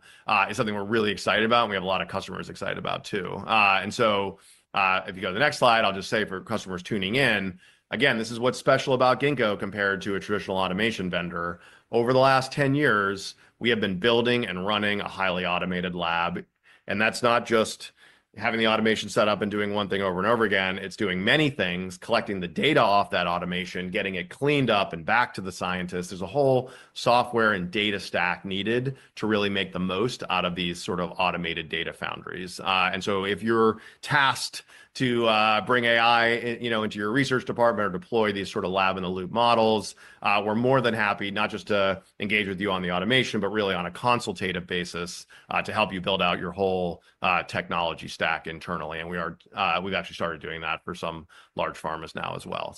is something we're really excited about. We have a lot of customers excited about it too. If you go to the next slide, I'll just say for customers tuning in, again, this is what's special about Ginkgo compared to a traditional automation vendor. Over the last 10 years, we have been building and running a highly automated lab. That's not just having the automation set up and doing one thing over and over again. It's doing many things, collecting the data off that automation, getting it cleaned up and back to the scientists. There's a whole software and data stack needed to really make the most out of these sort of automated data foundries. If you're tasked to bring AI into your research department or deploy these sort of lab-in-the-loop models, we're more than happy not just to engage with you on the automation, but really on a consultative basis to help you build out your whole technology stack internally. We've actually started doing that for some large pharmas now as well.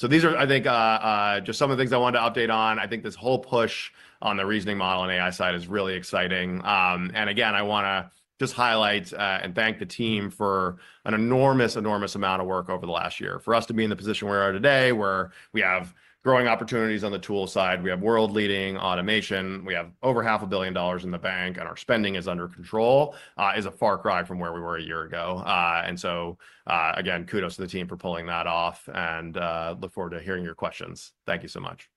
These are, I think, just some of the things I wanted to update on. I think this whole push on the reasoning model on AI side is really exciting. I want to just highlight and thank the team for an enormous, enormous amount of work over the last year. For us to be in the position we are today, where we have growing opportunities on the tool side, we have world-leading automation, we have over $500,000,000 in the bank, and our spending is under control is a far cry from where we were a year ago. Kudos to the team for pulling that off. I look forward to hearing your questions. Thank you so much.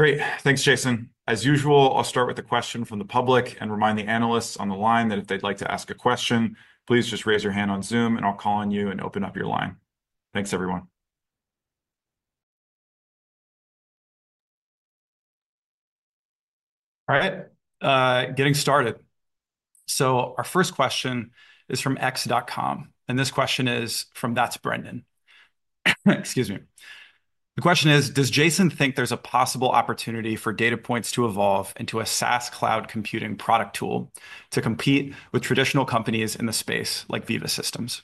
Great. Thanks, Jason. As usual, I'll start with a question from the public and remind the analysts on the line that if they'd like to ask a question, please just raise your hand on Zoom, and I'll call on you and open up your line. Thanks, everyone. All right. Getting started. Our first question is from x.com. This question is from @thatsbrendon. Excuse me. The question is, does Jason think there's a possible opportunity for data points to evolve into a SaaS cloud computing product tool to compete with traditional companies in the space like Veeva Systems?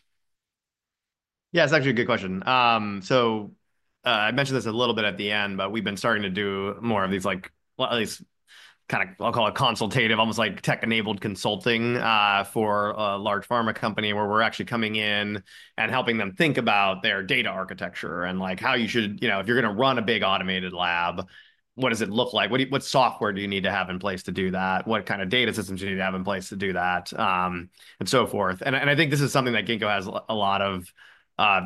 Yeah, it's actually a good question. I mentioned this a little bit at the end, but we've been starting to do more of these, at least kind of, I'll call it consultative, almost like tech-enabled consulting for a large pharma company where we're actually coming in and helping them think about their data architecture and how you should, if you're going to run a big automated lab, what does it look like? What software do you need to have in place to do that? What kind of data systems do you need to have in place to do that? And so forth. I think this is something that Ginkgo has a lot of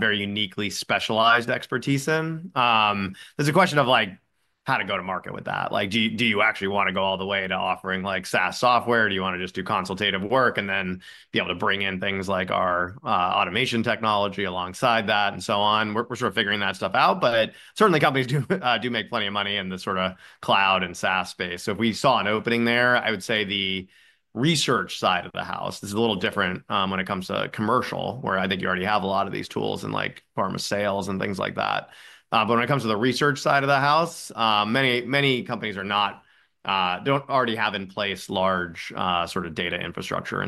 very uniquely specialized expertise in. There's a question of how to go to market with that. Do you actually want to go all the way to offering SaaS software? Do you want to just do consultative work and then be able to bring in things like our automation technology alongside that and so on? We're sort of figuring that stuff out. Certainly, companies do make plenty of money in the sort of cloud and SaaS space. If we saw an opening there, I would say the research side of the house, this is a little different when it comes to commercial, where I think you already have a lot of these tools in pharma sales and things like that. When it comes to the research side of the house, many companies do not already have in place large sort of data infrastructure.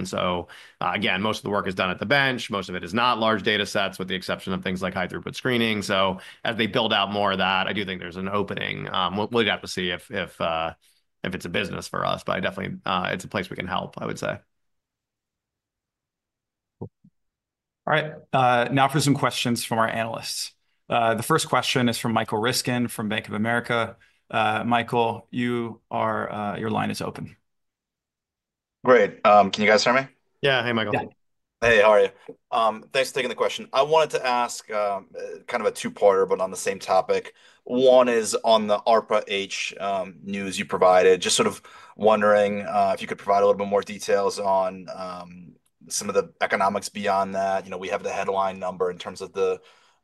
Again, most of the work is done at the bench. Most of it is not large data sets, with the exception of things like high-throughput screening. As they build out more of that, I do think there's an opening. We'll have to see if it's a business for us. Definitely, it's a place we can help, I would say. All right. Now for some questions from our analysts. The first question is from Michael Riskin from Bank of America. Michael, your line is open. Great. Can you guys hear me? Yeah. Hey, Michael. Hey, how are you? Thanks for taking the question. I wanted to ask kind of a two-parter, but on the same topic. One is on the ARPA-H news you provided. Just sort of wondering if you could provide a little bit more details on some of the economics beyond that. We have the headline number in terms of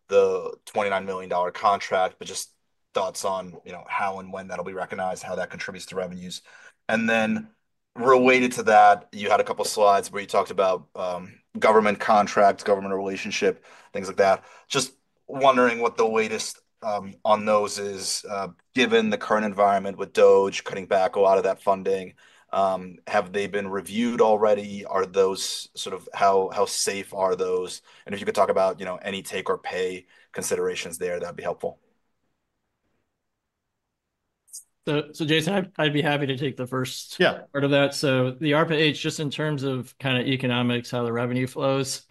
the $29 million contract, but just thoughts on how and when that'll be recognized, how that contributes to revenues. Then related to that, you had a couple of slides where you talked about government contracts, government relationship, things like that. Just wondering what the weight is on those is, given the current environment with DoD cutting back a lot of that funding, have they been reviewed already? Are those sort of how safe are those? If you could talk about any take-or-pay considerations there, that'd be helpful. Jason, I'd be happy to take the first part of that. The ARPA-H, just in terms of kind of economics, how the revenue flows.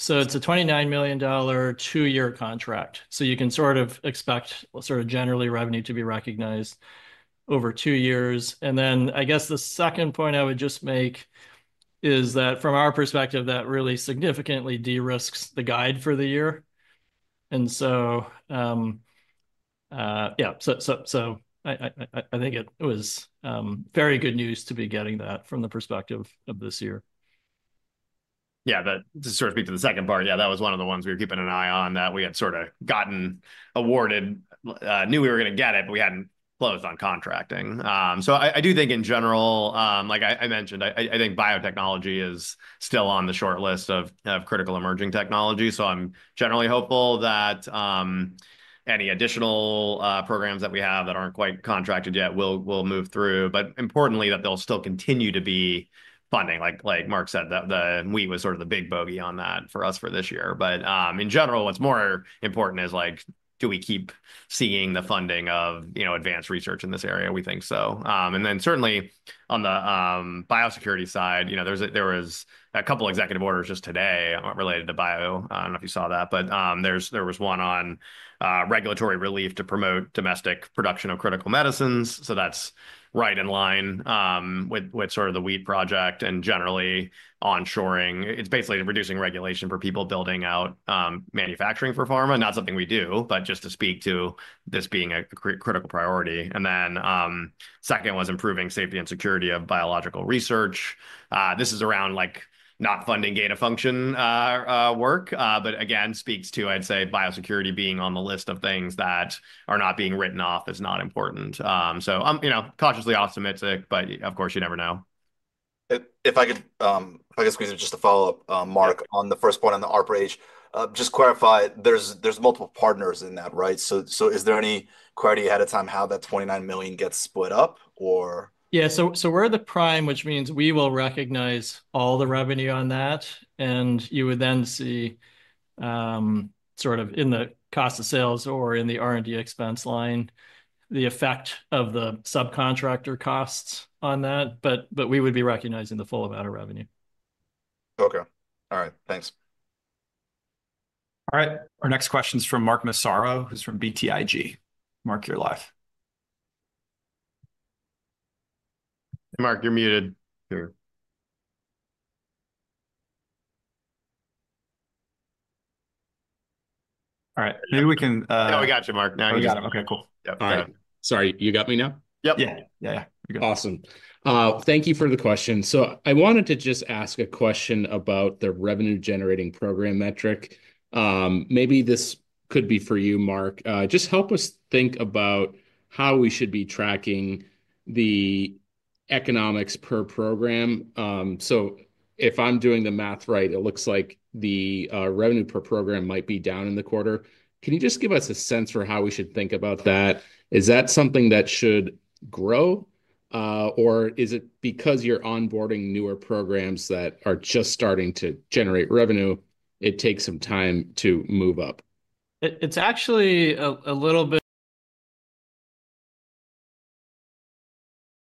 It's a $29 million two-year contract. You can sort of expect generally revenue to be recognized over two years. I guess the second point I would just make is that from our perspective, that really significantly de-risks the guide for the year. Yeah, I think it was very good news to be getting that from the perspective of this year. To sort of speak to the second part, that was one of the ones we were keeping an eye on that we had sort of gotten awarded, knew we were going to get it, but we had not closed on contracting. I do think in general, like I mentioned, I think biotechnology is still on the short list of critical emerging technology. I am generally hopeful that any additional programs that we have that are not quite contracted yet will move through. Importantly, that they will still continue to be funding. Like Mark said, the WHEAT was sort of the big bogey on that for us for this year. In general, what is more important is, do we keep seeing the funding of advanced research in this area? We think so. Certainly, on the biosecurity side, there was a couple of executive orders just today related to bio. I do not know if you saw that, but there was one on regulatory relief to promote domestic production of critical medicines. That is right in line with sort of the WHEAT project and generally onshoring. It is basically reducing regulation for people building out manufacturing for pharma. Not something we do, but just to speak to this being a critical priority. The second was improving safety and security of biological research. This is around not funding data function work, but again, speaks to, I would say, biosecurity being on the list of things that are not being written off as not important. Cautiously optimistic, but of course, you never know. If I could squeeze it just to follow up, Mark, on the first point on the ARPA-H, just clarify, there's multiple partners in that, right? Is there any clarity ahead of time how that $29 million gets split up, or? Yeah. We're the prime, which means we will recognize all the revenue on that. You would then see sort of in the cost of sales or in the R&D expense line, the effect of the subcontractor costs on that. We would be recognizing the full amount of revenue. Okay. All right. Thanks. All right. Our next question is from Mark Massaro, who's from BTIG. Mark, you're live. Hey, Mark, you're muted. All right. Maybe we can— Yeah, we got you, Mark. Now you got it. Okay. Cool. Sorry. You got me now? Yep. Yeah. Awesome. Thank you for the question. I wanted to just ask a question about the revenue-generating program metric. Maybe this could be for you, Mark. Just help us think about how we should be tracking the economics per program. If I'm doing the math right, it looks like the revenue per program might be down in the quarter. Can you just give us a sense for how we should think about that? Is that something that should grow? Or is it because you're onboarding newer programs that are just starting to generate revenue, it takes some time to move up? It's actually a little bit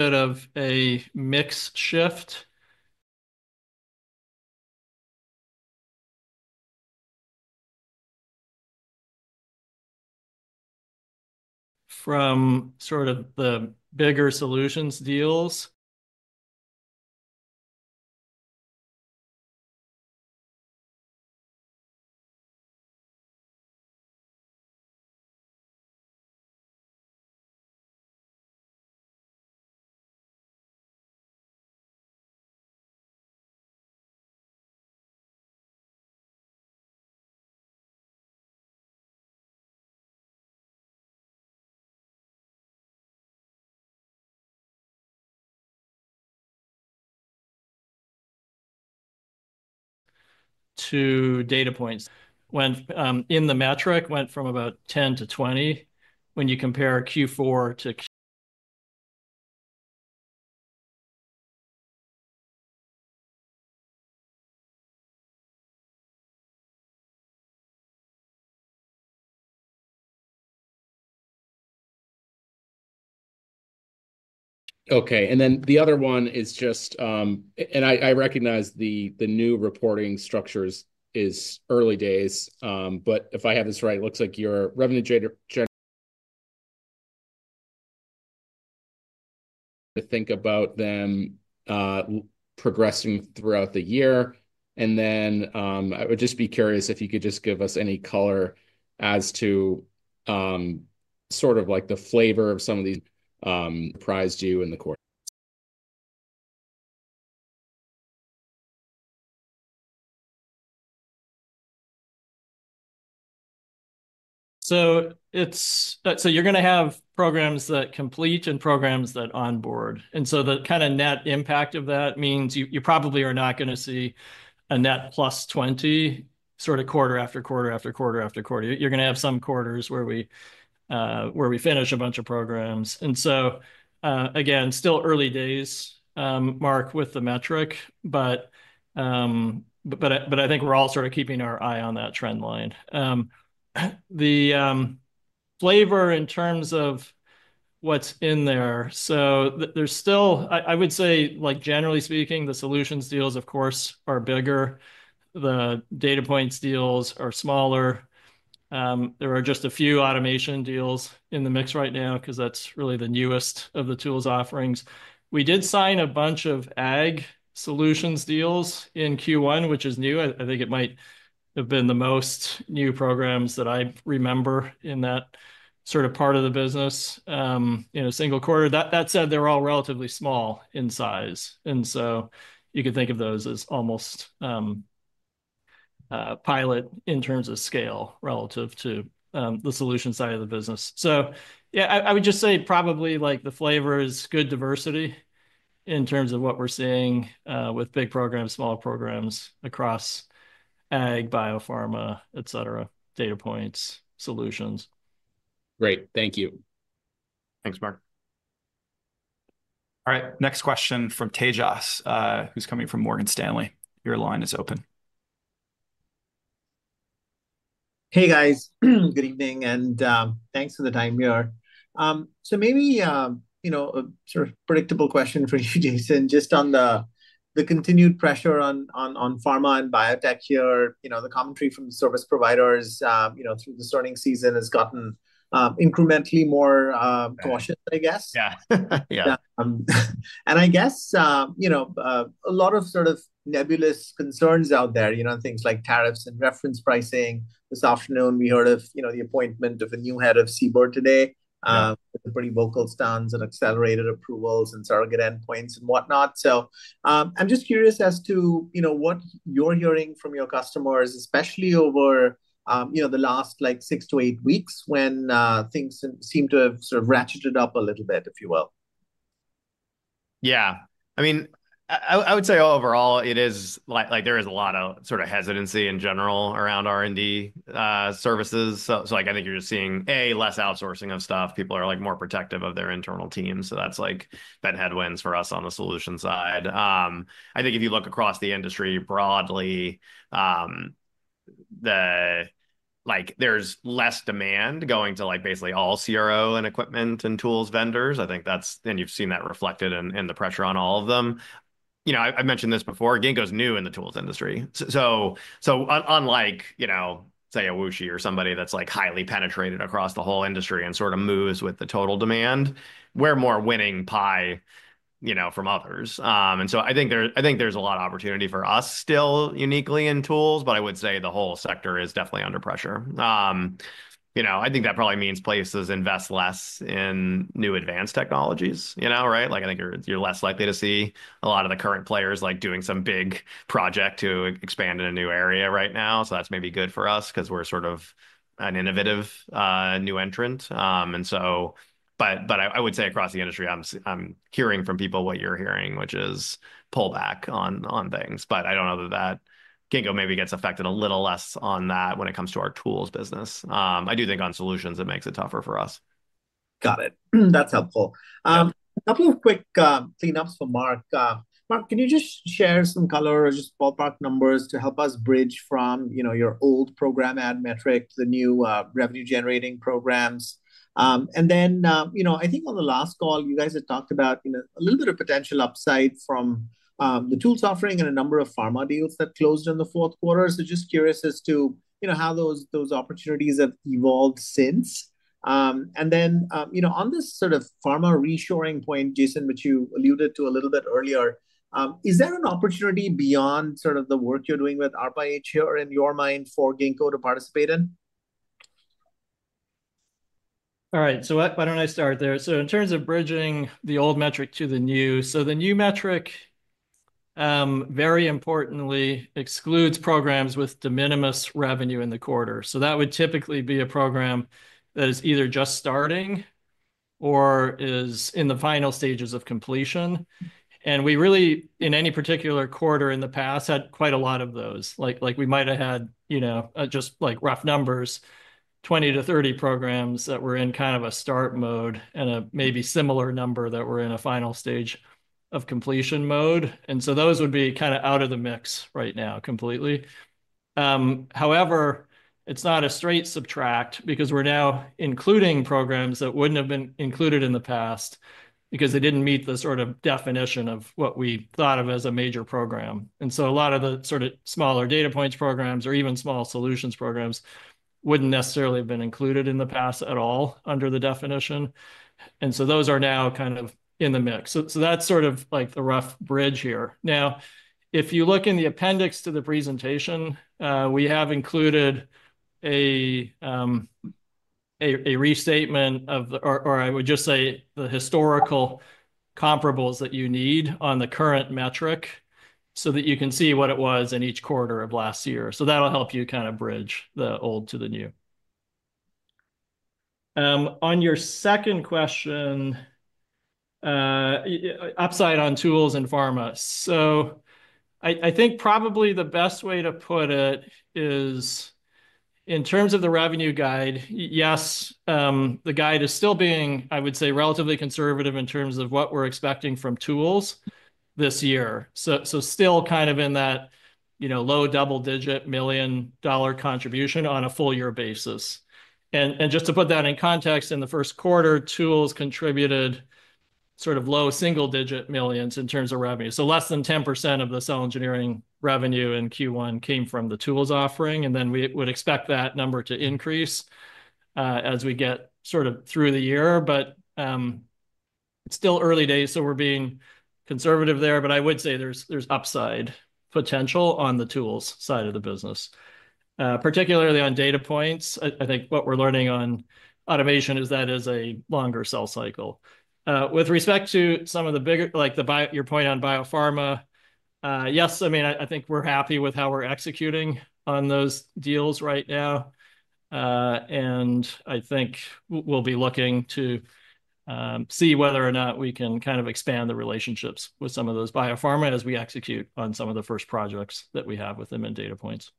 of a mixed shift from sort of the bigger solutions deals to data points. When in the metric, went from about 10 to 20 when you compare Q4 to— Okay. The other one is just—and I recognize the new reporting structure is early days. If I have this right, it looks like your revenue generation, to think about them progressing throughout the year. I would just be curious if you could just give us any color as to sort of the flavor of some of these surprised you in the quarter? You are going to have programs that complete and programs that onboard. The kind of net impact of that means you probably are not going to see a net plus 20 sort of quarter after quarter after quarter after quarter. You are going to have some quarters where we finish a bunch of programs. Again, still early days, Mark, with the metric. I think we are all sort of keeping our eye on that trend line. The flavor in terms of what is in there. There's still, I would say, generally speaking, the solutions deals, of course, are bigger. The data points deals are smaller. There are just a few automation deals in the mix right now because that's really the newest of the tools offerings. We did sign a bunch of ag solutions deals in Q1, which is new. I think it might have been the most new programs that I remember in that sort of part of the business in a single quarter. That said, they're all relatively small in size. You could think of those as almost pilot in terms of scale relative to the solution side of the business. I would just say probably the flavor is good diversity in terms of what we're seeing with big programs, small programs across ag, biopharma, etc., data points, solutions. Great. Thank you. Thanks, Mark. All right. Next question from Tejas, who's coming from Morgan Stanley. Your line is open. Hey, guys. Good evening. Thanks for the time here. Maybe a sort of predictable question for you, Jason, just on the continued pressure on pharma and biotech here. The commentary from service providers through the starting season has gotten incrementally more cautious, I guess. I guess a lot of sort of nebulous concerns out there, things like tariffs and reference pricing. This afternoon, we heard of the appointment of a new head of CBIR today with pretty vocal stans and accelerated approvals and surrogate endpoints and whatnot. I'm just curious as to what you're hearing from your customers, especially over the last six to eight weeks when things seem to have sort of ratcheted up a little bit, if you will. Yeah. I mean, I would say overall, there is a lot of sort of hesitancy in general around R&D services. I think you're just seeing, A, less outsourcing of stuff. People are more protective of their internal teams. That's been headwinds for us on the solution side. I think if you look across the industry broadly, there's less demand going to basically all CRO and equipment and tools vendors. I think that's, and you've seen that reflected in the pressure on all of them. I've mentioned this before. Ginkgo's new in the tools industry. Unlike, say, a WuXi or somebody that's highly penetrated across the whole industry and sort of moves with the total demand, we're more winning pie from others. I think there's a lot of opportunity for us still uniquely in tools, but I would say the whole sector is definitely under pressure. I think that probably means places invest less in new advanced technologies, right? I think you're less likely to see a lot of the current players doing some big project to expand in a new area right now. That's maybe good for us because we're sort of an innovative new entrant. I would say across the industry, I'm hearing from people what you're hearing, which is pullback on things. I don't know that Ginkgo maybe gets affected a little less on that when it comes to our tools business. I do think on solutions, it makes it tougher for us. Got it. That's helpful. A couple of quick cleanups for Mark. Mark, can you just share some color or just ballpark numbers to help us bridge from your old program ad metric to the new revenue-generating programs? I think on the last call, you guys had talked about a little bit of potential upside from the tools offering and a number of pharma deals that closed in the fourth quarter. Just curious as to how those opportunities have evolved since. On this sort of pharma reshoring point, Jason, which you alluded to a little bit earlier, is there an opportunity beyond sort of the work you're doing with ARPA-H here in your mind for Ginkgo to participate in? All right. Why don't I start there? In terms of bridging the old metric to the new, the new metric very importantly excludes programs with de minimis revenue in the quarter. That would typically be a program that is either just starting or is in the final stages of completion. We really, in any particular quarter in the past, had quite a lot of those. We might have had just rough numbers, 20-30 programs that were in kind of a start mode and a maybe similar number that were in a final stage of completion mode. Those would be kind of out of the mix right now completely. However, it is not a straight subtract because we are now including programs that would not have been included in the past because they did not meet the sort of definition of what we thought of as a major program. A lot of the sort of smaller data points programs or even small solutions programs would not necessarily have been included in the past at all under the definition. Those are now kind of in the mix. That is sort of like the rough bridge here. Now, if you look in the appendix to the presentation, we have included a restatement of, or I would just say, the historical comparables that you need on the current metric so that you can see what it was in each quarter of last year. That'll help you kind of bridge the old to the new. On your second question, upside on tools and pharma. I think probably the best way to put it is in terms of the revenue guide, yes, the guide is still being, I would say, relatively conservative in terms of what we're expecting from tools this year. Still kind of in that low double-digit million-dollar contribution on a full-year basis. Just to put that in context, in the first quarter, tools contributed sort of low single-digit millions in terms of revenue. Less than 10% of the cell engineering revenue in Q1 came from the tools offering. We would expect that number to increase as we get sort of through the year. It is still early days, so we are being conservative there. I would say there is upside potential on the tools side of the business, particularly on data points. I think what we are learning on automation is that it is a longer cell cycle. With respect to some of the bigger, like your point on biopharma, yes, I mean, I think we are happy with how we are executing on those deals right now. I think we will be looking to see whether or not we can kind of expand the relationships with some of those biopharma as we execute on some of the first projects that we have with them in data points.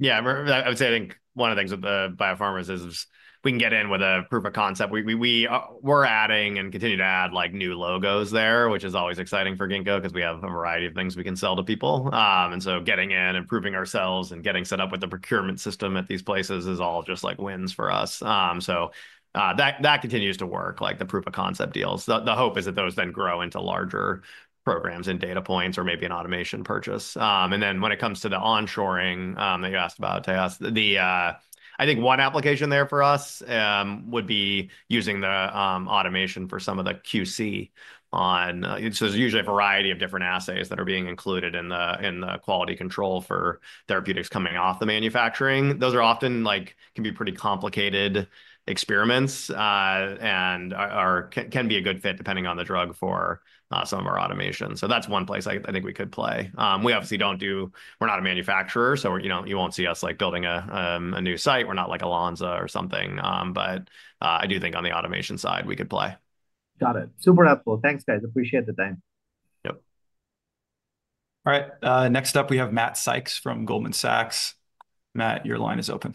Yeah. I would say I think one of the things with the biopharma is we can get in with a proof of concept. We're adding and continue to add new logos there, which is always exciting for Ginkgo because we have a variety of things we can sell to people. Getting in and proving ourselves and getting set up with the procurement system at these places is all just wins for us. That continues to work, like the proof of concept deals. The hope is that those then grow into larger programs and data points or maybe an automation purchase. When it comes to the onshoring that you asked about, Tejas, I think one application there for us would be using the automation for some of the QC. There is usually a variety of different assays that are being included in the quality control for therapeutics coming off the manufacturing. Those can be pretty complicated experiments and can be a good fit depending on the drug for some of our automation. That is one place I think we could play. We obviously do not do—we are not a manufacturer, so you will not see us building a new site. We are not like Lonza or something. I do think on the automation side, we could play. Got it. Super helpful. Thanks, guys. Appreciate the time. Yep. All right. Next up, we have Matt Sykes from Goldman Sachs. Matt, your line is open.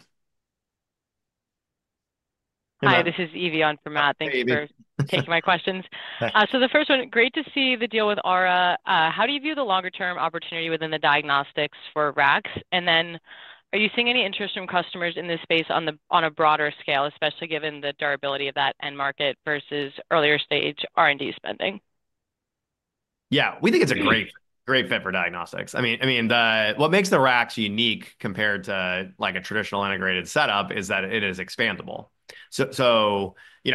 Hi. This is Evian from Matt. Thanks for taking my questions. The first one, great to see the deal with Aura. How do you view the longer-term opportunity within the diagnostics for RACs? Are you seeing any interest from customers in this space on a broader scale, especially given the durability of that end market versus earlier-stage R&D spending? Yeah. We think it's a great fit for diagnostics. I mean, what makes the RACs unique compared to a traditional integrated setup is that it is expandable.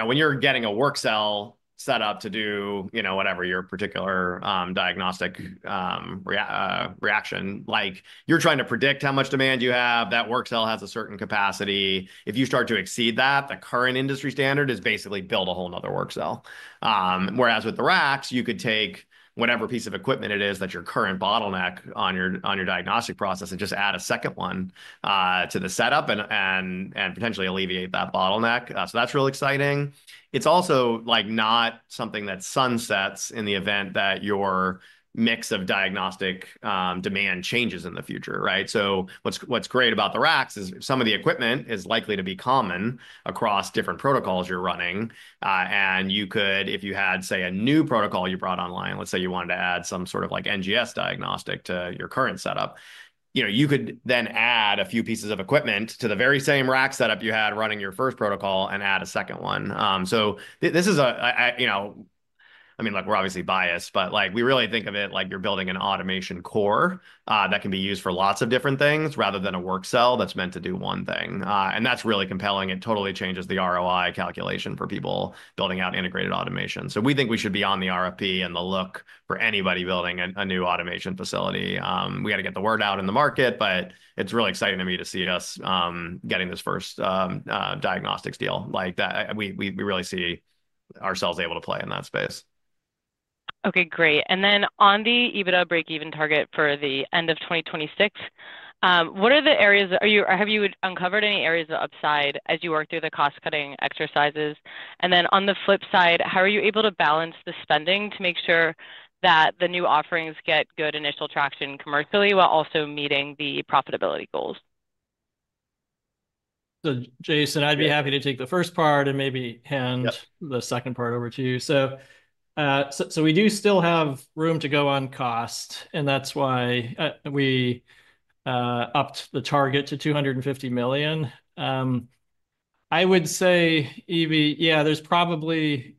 When you're getting a work cell set up to do whatever your particular diagnostic reaction, you're trying to predict how much demand you have. That work cell has a certain capacity. If you start to exceed that, the current industry standard is basically build a whole nother work cell. With the RACs, you could take whatever piece of equipment it is that's your current bottleneck on your diagnostic process and just add a second one to the setup and potentially alleviate that bottleneck. That's really exciting. It's also not something that sunsets in the event that your mix of diagnostic demand changes in the future, right? What's great about the RACs is some of the equipment is likely to be common across different protocols you're running. If you had, say, a new protocol you brought online, let's say you wanted to add some sort of NGS diagnostic to your current setup, you could then add a few pieces of equipment to the very same RAC setup you had running your first protocol and add a second one. This is a—I mean, we're obviously biased, but we really think of it like you're building an automation core that can be used for lots of different things rather than a work cell that's meant to do one thing. That's really compelling. It totally changes the ROI calculation for people building out integrated automation. We think we should be on the RFP and the look for anybody building a new automation facility. We got to get the word out in the market, but it's really exciting to me to see us getting this first diagnostics deal. We really see ourselves able to play in that space. Okay. Great. On the EBITDA break-even target for the end of 2026, what are the areas—have you uncovered any areas of upside as you work through the cost-cutting exercises? On the flip side, how are you able to balance the spending to make sure that the new offerings get good initial traction commercially while also meeting the profitability goals? Jason, I'd be happy to take the first part and maybe hand the second part over to you. We do still have room to go on cost, and that's why we upped the target to $250 million. I would say, Evie, yeah, there's probably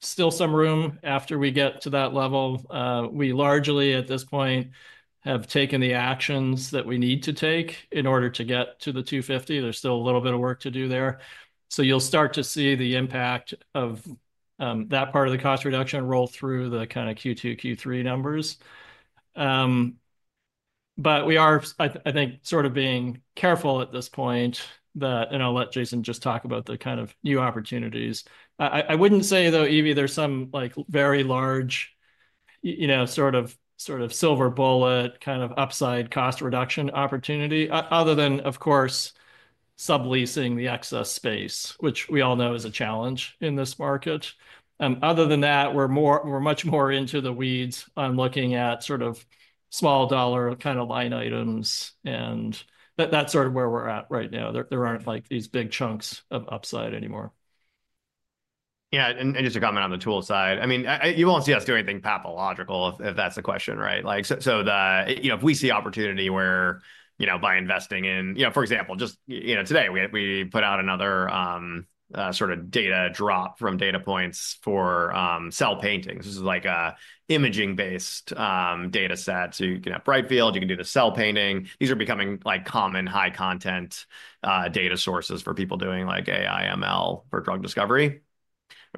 still some room after we get to that level. We largely, at this point, have taken the actions that we need to take in order to get to the $250 million. There's still a little bit of work to do there. You'll start to see the impact of that part of the cost reduction roll through the kind of Q2, Q3 numbers. We are, I think, sort of being careful at this point, and I'll let Jason just talk about the kind of new opportunities. I wouldn't say, though, Evie, there's some very large sort of silver bullet kind of upside cost reduction opportunity, other than, of course, subleasing the excess space, which we all know is a challenge in this market. Other than that, we're much more into the weeds on looking at sort of small-dollar kind of line items. That's sort of where we're at right now. There aren't these big chunks of upside anymore. Yeah. Just a comment on the tool side. I mean, you won't see us do anything pathological, if that's the question, right? If we see opportunity by investing in, for example, just today, we put out another sort of data drop from Data Points for cell paintings. This is like an imaging-based data set. You can have Brightfield, you can do the cell painting. These are becoming common high-content data sources for people doing AI/ML for drug discovery,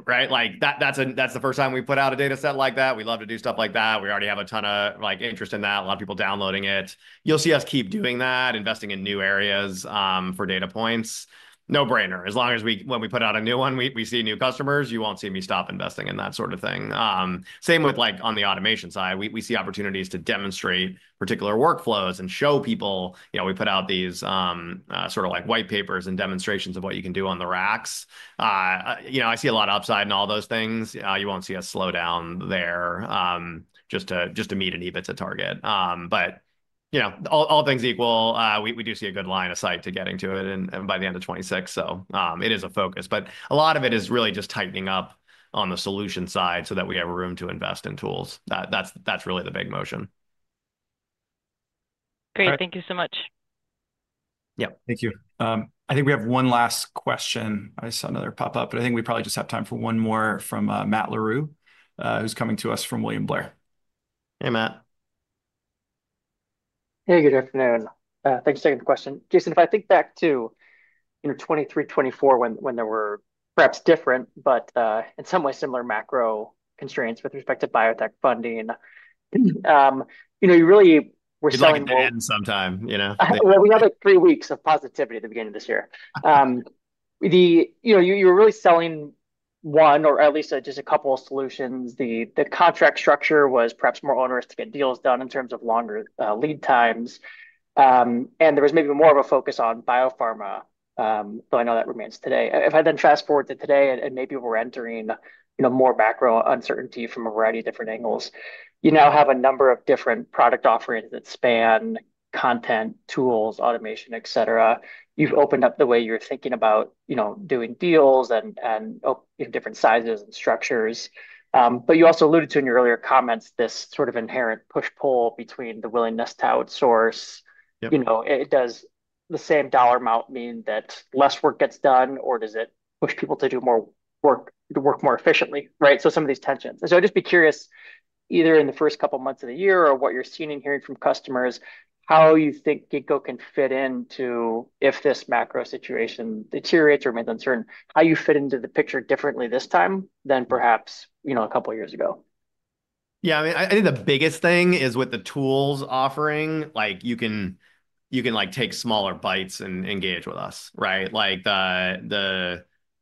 right? That's the first time we put out a data set like that. We love to do stuff like that. We already have a ton of interest in that. A lot of people downloading it. You'll see us keep doing that, investing in new areas for data points. No brainer. As long as when we put out a new one, we see new customers, you won't see me stop investing in that sort of thing. Same with on the automation side. We see opportunities to demonstrate particular workflows and show people. We put out these sort of white papers and demonstrations of what you can do on the racks. I see a lot of upside in all those things. You won't see a slowdown there just to meet an EBITDA target. All things equal, we do see a good line of sight to getting to it by the end of 2026. It is a focus. A lot of it is really just tightening up on the solution side so that we have room to invest in tools. That is really the big motion. Great. Thank you so much. Yep. Thank you. I think we have one last question. I saw another pop up, but I think we probably just have time for one more from Matt LeRoux, who is coming to us from William Blair. Hey, Matt. Hey, good afternoon. Thanks for taking the question. Jason, if I think back to 2023, 2024, when there were perhaps different, but in some way similar macro constraints with respect to biotech funding, you really were selling— you must have been sometime. We had three weeks of positivity at the beginning of this year. You were really selling one or at least just a couple of solutions. The contract structure was perhaps more onerous to get deals done in terms of longer lead times. There was maybe more of a focus on biopharma. I know that remains today. If I then fast forward to today and maybe we're entering more macro uncertainty from a variety of different angles, you now have a number of different product offerings that span content, tools, automation, etc. You've opened up the way you're thinking about doing deals and different sizes and structures. You also alluded to in your earlier comments this sort of inherent push-pull between the willingness to outsource. Does the same dollar amount mean that less work gets done, or does it push people to work more efficiently, right? Some of these tensions. I'd just be curious, either in the first couple of months of the year or what you're seeing and hearing from customers, how you think Ginkgo can fit into if this macro situation deteriorates or remains uncertain, how you fit into the picture differently this time than perhaps a couple of years ago. Yeah. I mean, I think the biggest thing is with the tools offering, you can take smaller bites and engage with us, right?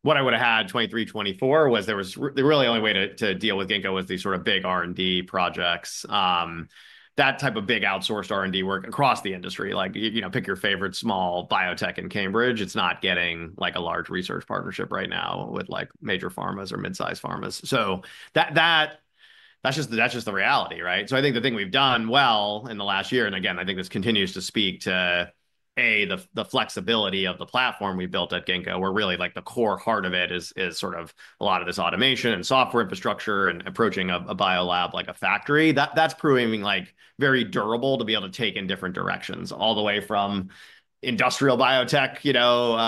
What I would have had in 2023, 2024 was there was really the only way to deal with Ginkgo was these sort of big R&D projects, that type of big outsourced R&D work across the industry. Pick your favorite small biotech in Cambridge. It's not getting a large research partnership right now with major pharmas or mid-size pharmas. That's just the reality, right? I think the thing we've done well in the last year, and again, I think this continues to speak to, A, the flexibility of the platform we've built at Ginkgo, where really the core heart of it is sort of a lot of this automation and software infrastructure and approaching a bio lab like a factory. That's proving very durable to be able to take in different directions all the way from industrial biotech,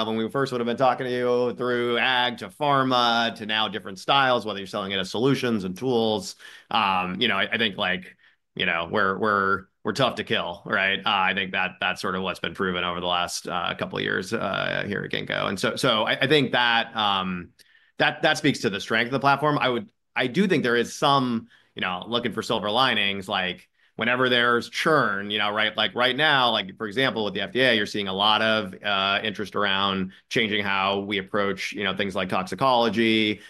when we first would have been talking to you through ag to pharma to now different styles, whether you're selling it as solutions and tools. I think we're tough to kill, right? I think that's sort of what's been proven over the last couple of years here at Ginkgo. I think that speaks to the strength of the platform. I do think there is some looking for silver linings. Whenever there's churn, right? Right now, for example, with the FDA, you're seeing a lot of interest around changing how we approach things like toxicology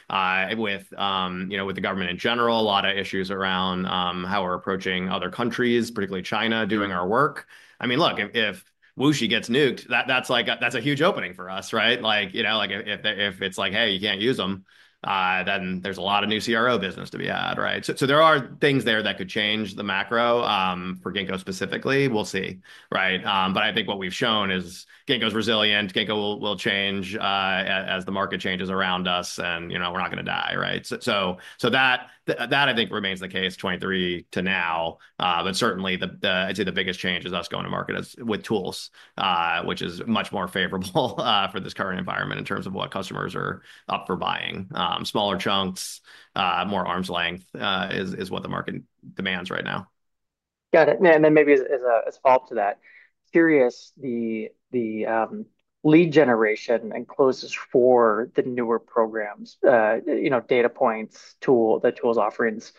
with the government in general, a lot of issues around how we're approaching other countries, particularly China, doing our work. I mean, look, if WuXi gets nuked, that's a huge opening for us, right? If it's like, "Hey, you can't use them," then there's a lot of new CRO business to be had, right? There are things there that could change the macro for Ginkgo specifically. We'll see, right? I think what we've shown is Ginkgo's resilient. Ginkgo will change as the market changes around us, and we're not going to die, right? That, I think, remains the case 2023 to now. Certainly, I'd say the biggest change is us going to market with tools, which is much more favorable for this current environment in terms of what customers are up for buying. Smaller chunks, more arm's length is what the market demands right now. Got it. Maybe as a follow-up to that, curious, the lead generation and closes for the newer programs, data points, the tools offerings,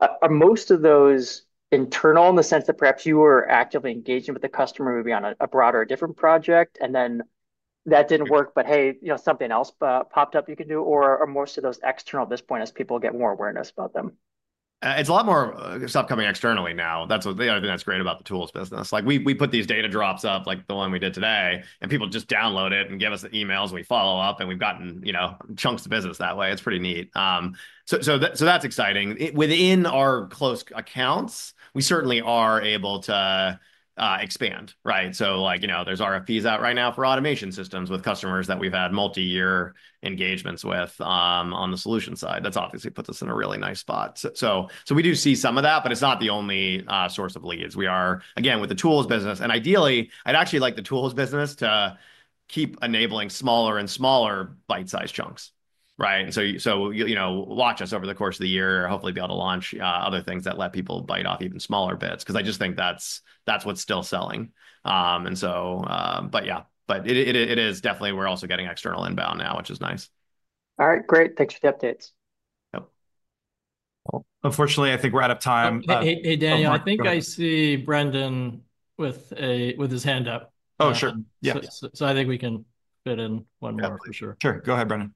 are most of those internal in the sense that perhaps you were actively engaging with the customer maybe on a broader, different project, and then that did not work, but hey, something else popped up you can do, or are most of those external at this point as people get more awareness about them? It's a lot more of stuff coming externally now. That's the other thing that's great about the tools business. We put these data drops up like the one we did today, and people just download it and give us emails, and we follow up, and we've gotten chunks of business that way. It's pretty neat. That is exciting. Within our closed accounts, we certainly are able to expand, right? There are RFPs out right now for automation systems with customers that we've had multi-year engagements with on the solution side. That obviously puts us in a really nice spot. We do see some of that, but it's not the only source of leads. We are, again, with the tools business. Ideally, I'd actually like the tools business to keep enabling smaller and smaller bite-sized chunks, right? Watch us over the course of the year, hopefully be able to launch other things that let people bite off even smaller bits because I just think that's what's still selling. Yeah, it is definitely we're also getting external inbound now, which is nice. All right. Great. Thanks for the updates. Yep. Unfortunately, I think we're out of time. Hey, Daniel. I think I see Brendan with his hand up. Oh, sure. I think we can fit in one more for sure. Sure. Go ahead, Brendan.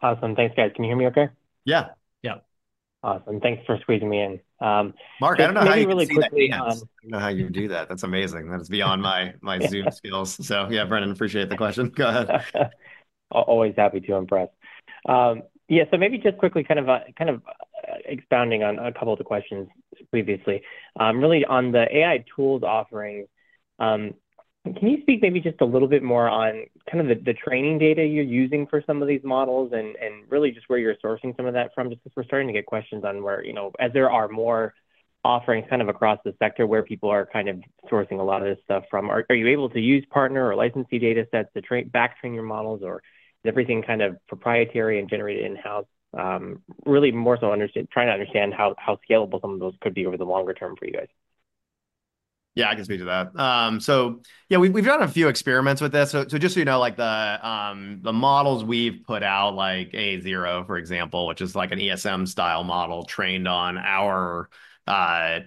Awesome. Thanks, guys. Can you hear me okay? Yeah. Yep. Awesome. Thanks for squeezing me in. Mark, I don't know how you—I don't know how you do that. That's amazing. That is beyond my Zoom skills. Yeah, Brendan, appreciate the question. Go ahead. Always happy to impress. Yeah. Maybe just quickly kind of expounding on a couple of the questions previously, really on the AI tools offering, can you speak maybe just a little bit more on kind of the training data you're using for some of these models and really just where you're sourcing some of that from? Just because we're starting to get questions on where as there are more offerings kind of across the sector where people are kind of sourcing a lot of this stuff from, are you able to use partner or licensee data sets to backtrain your models, or is everything kind of proprietary and generated in-house? Really more so trying to understand how scalable some of those could be over the longer term for you guys. Yeah, I can speak to that. Yeah, we've done a few experiments with this. Just so you know, the models we've put out, like A0, for example, which is like an ESM-style model trained on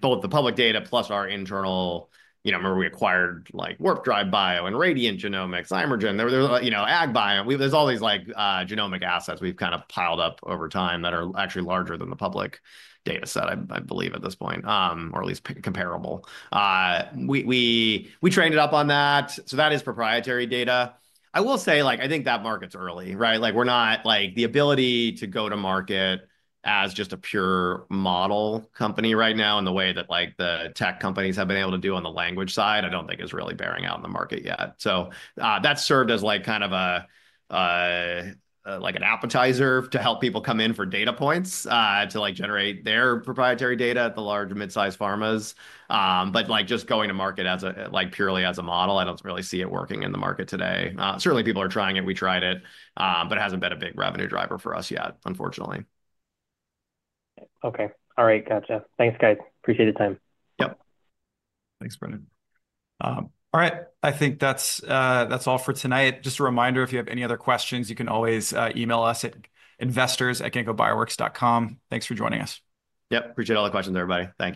both the public data plus our internal—remember we acquired Warp Drive Bio and Radiant Genomics, Imogen, AgBio. There are all these genomic assets we've kind of piled up over time that are actually larger than the public data set, I believe, at this point, or at least comparable. We trained it up on that. That is proprietary data. I will say, I think that market's early, right? The ability to go to market as just a pure model company right now in the way that the tech companies have been able to do on the language side, I do not think is really bearing out in the market yet. That's served as kind of an appetizer to help people come in for data points to generate their proprietary data at the large mid-size pharmas. Just going to market purely as a model, I do not really see it working in the market today. Certainly, people are trying it. We tried it, but it has not been a big revenue driver for us yet, unfortunately. Okay. All right. Gotcha. Thanks, guys. Appreciate the time. Yep. Thanks, Brendan. All right. I think that's all for tonight. Just a reminder, if you have any other questions, you can always email us at investors@ginkgobioworks.com. Thanks for joining us. Yep. Appreciate all the questions, everybody. Thanks.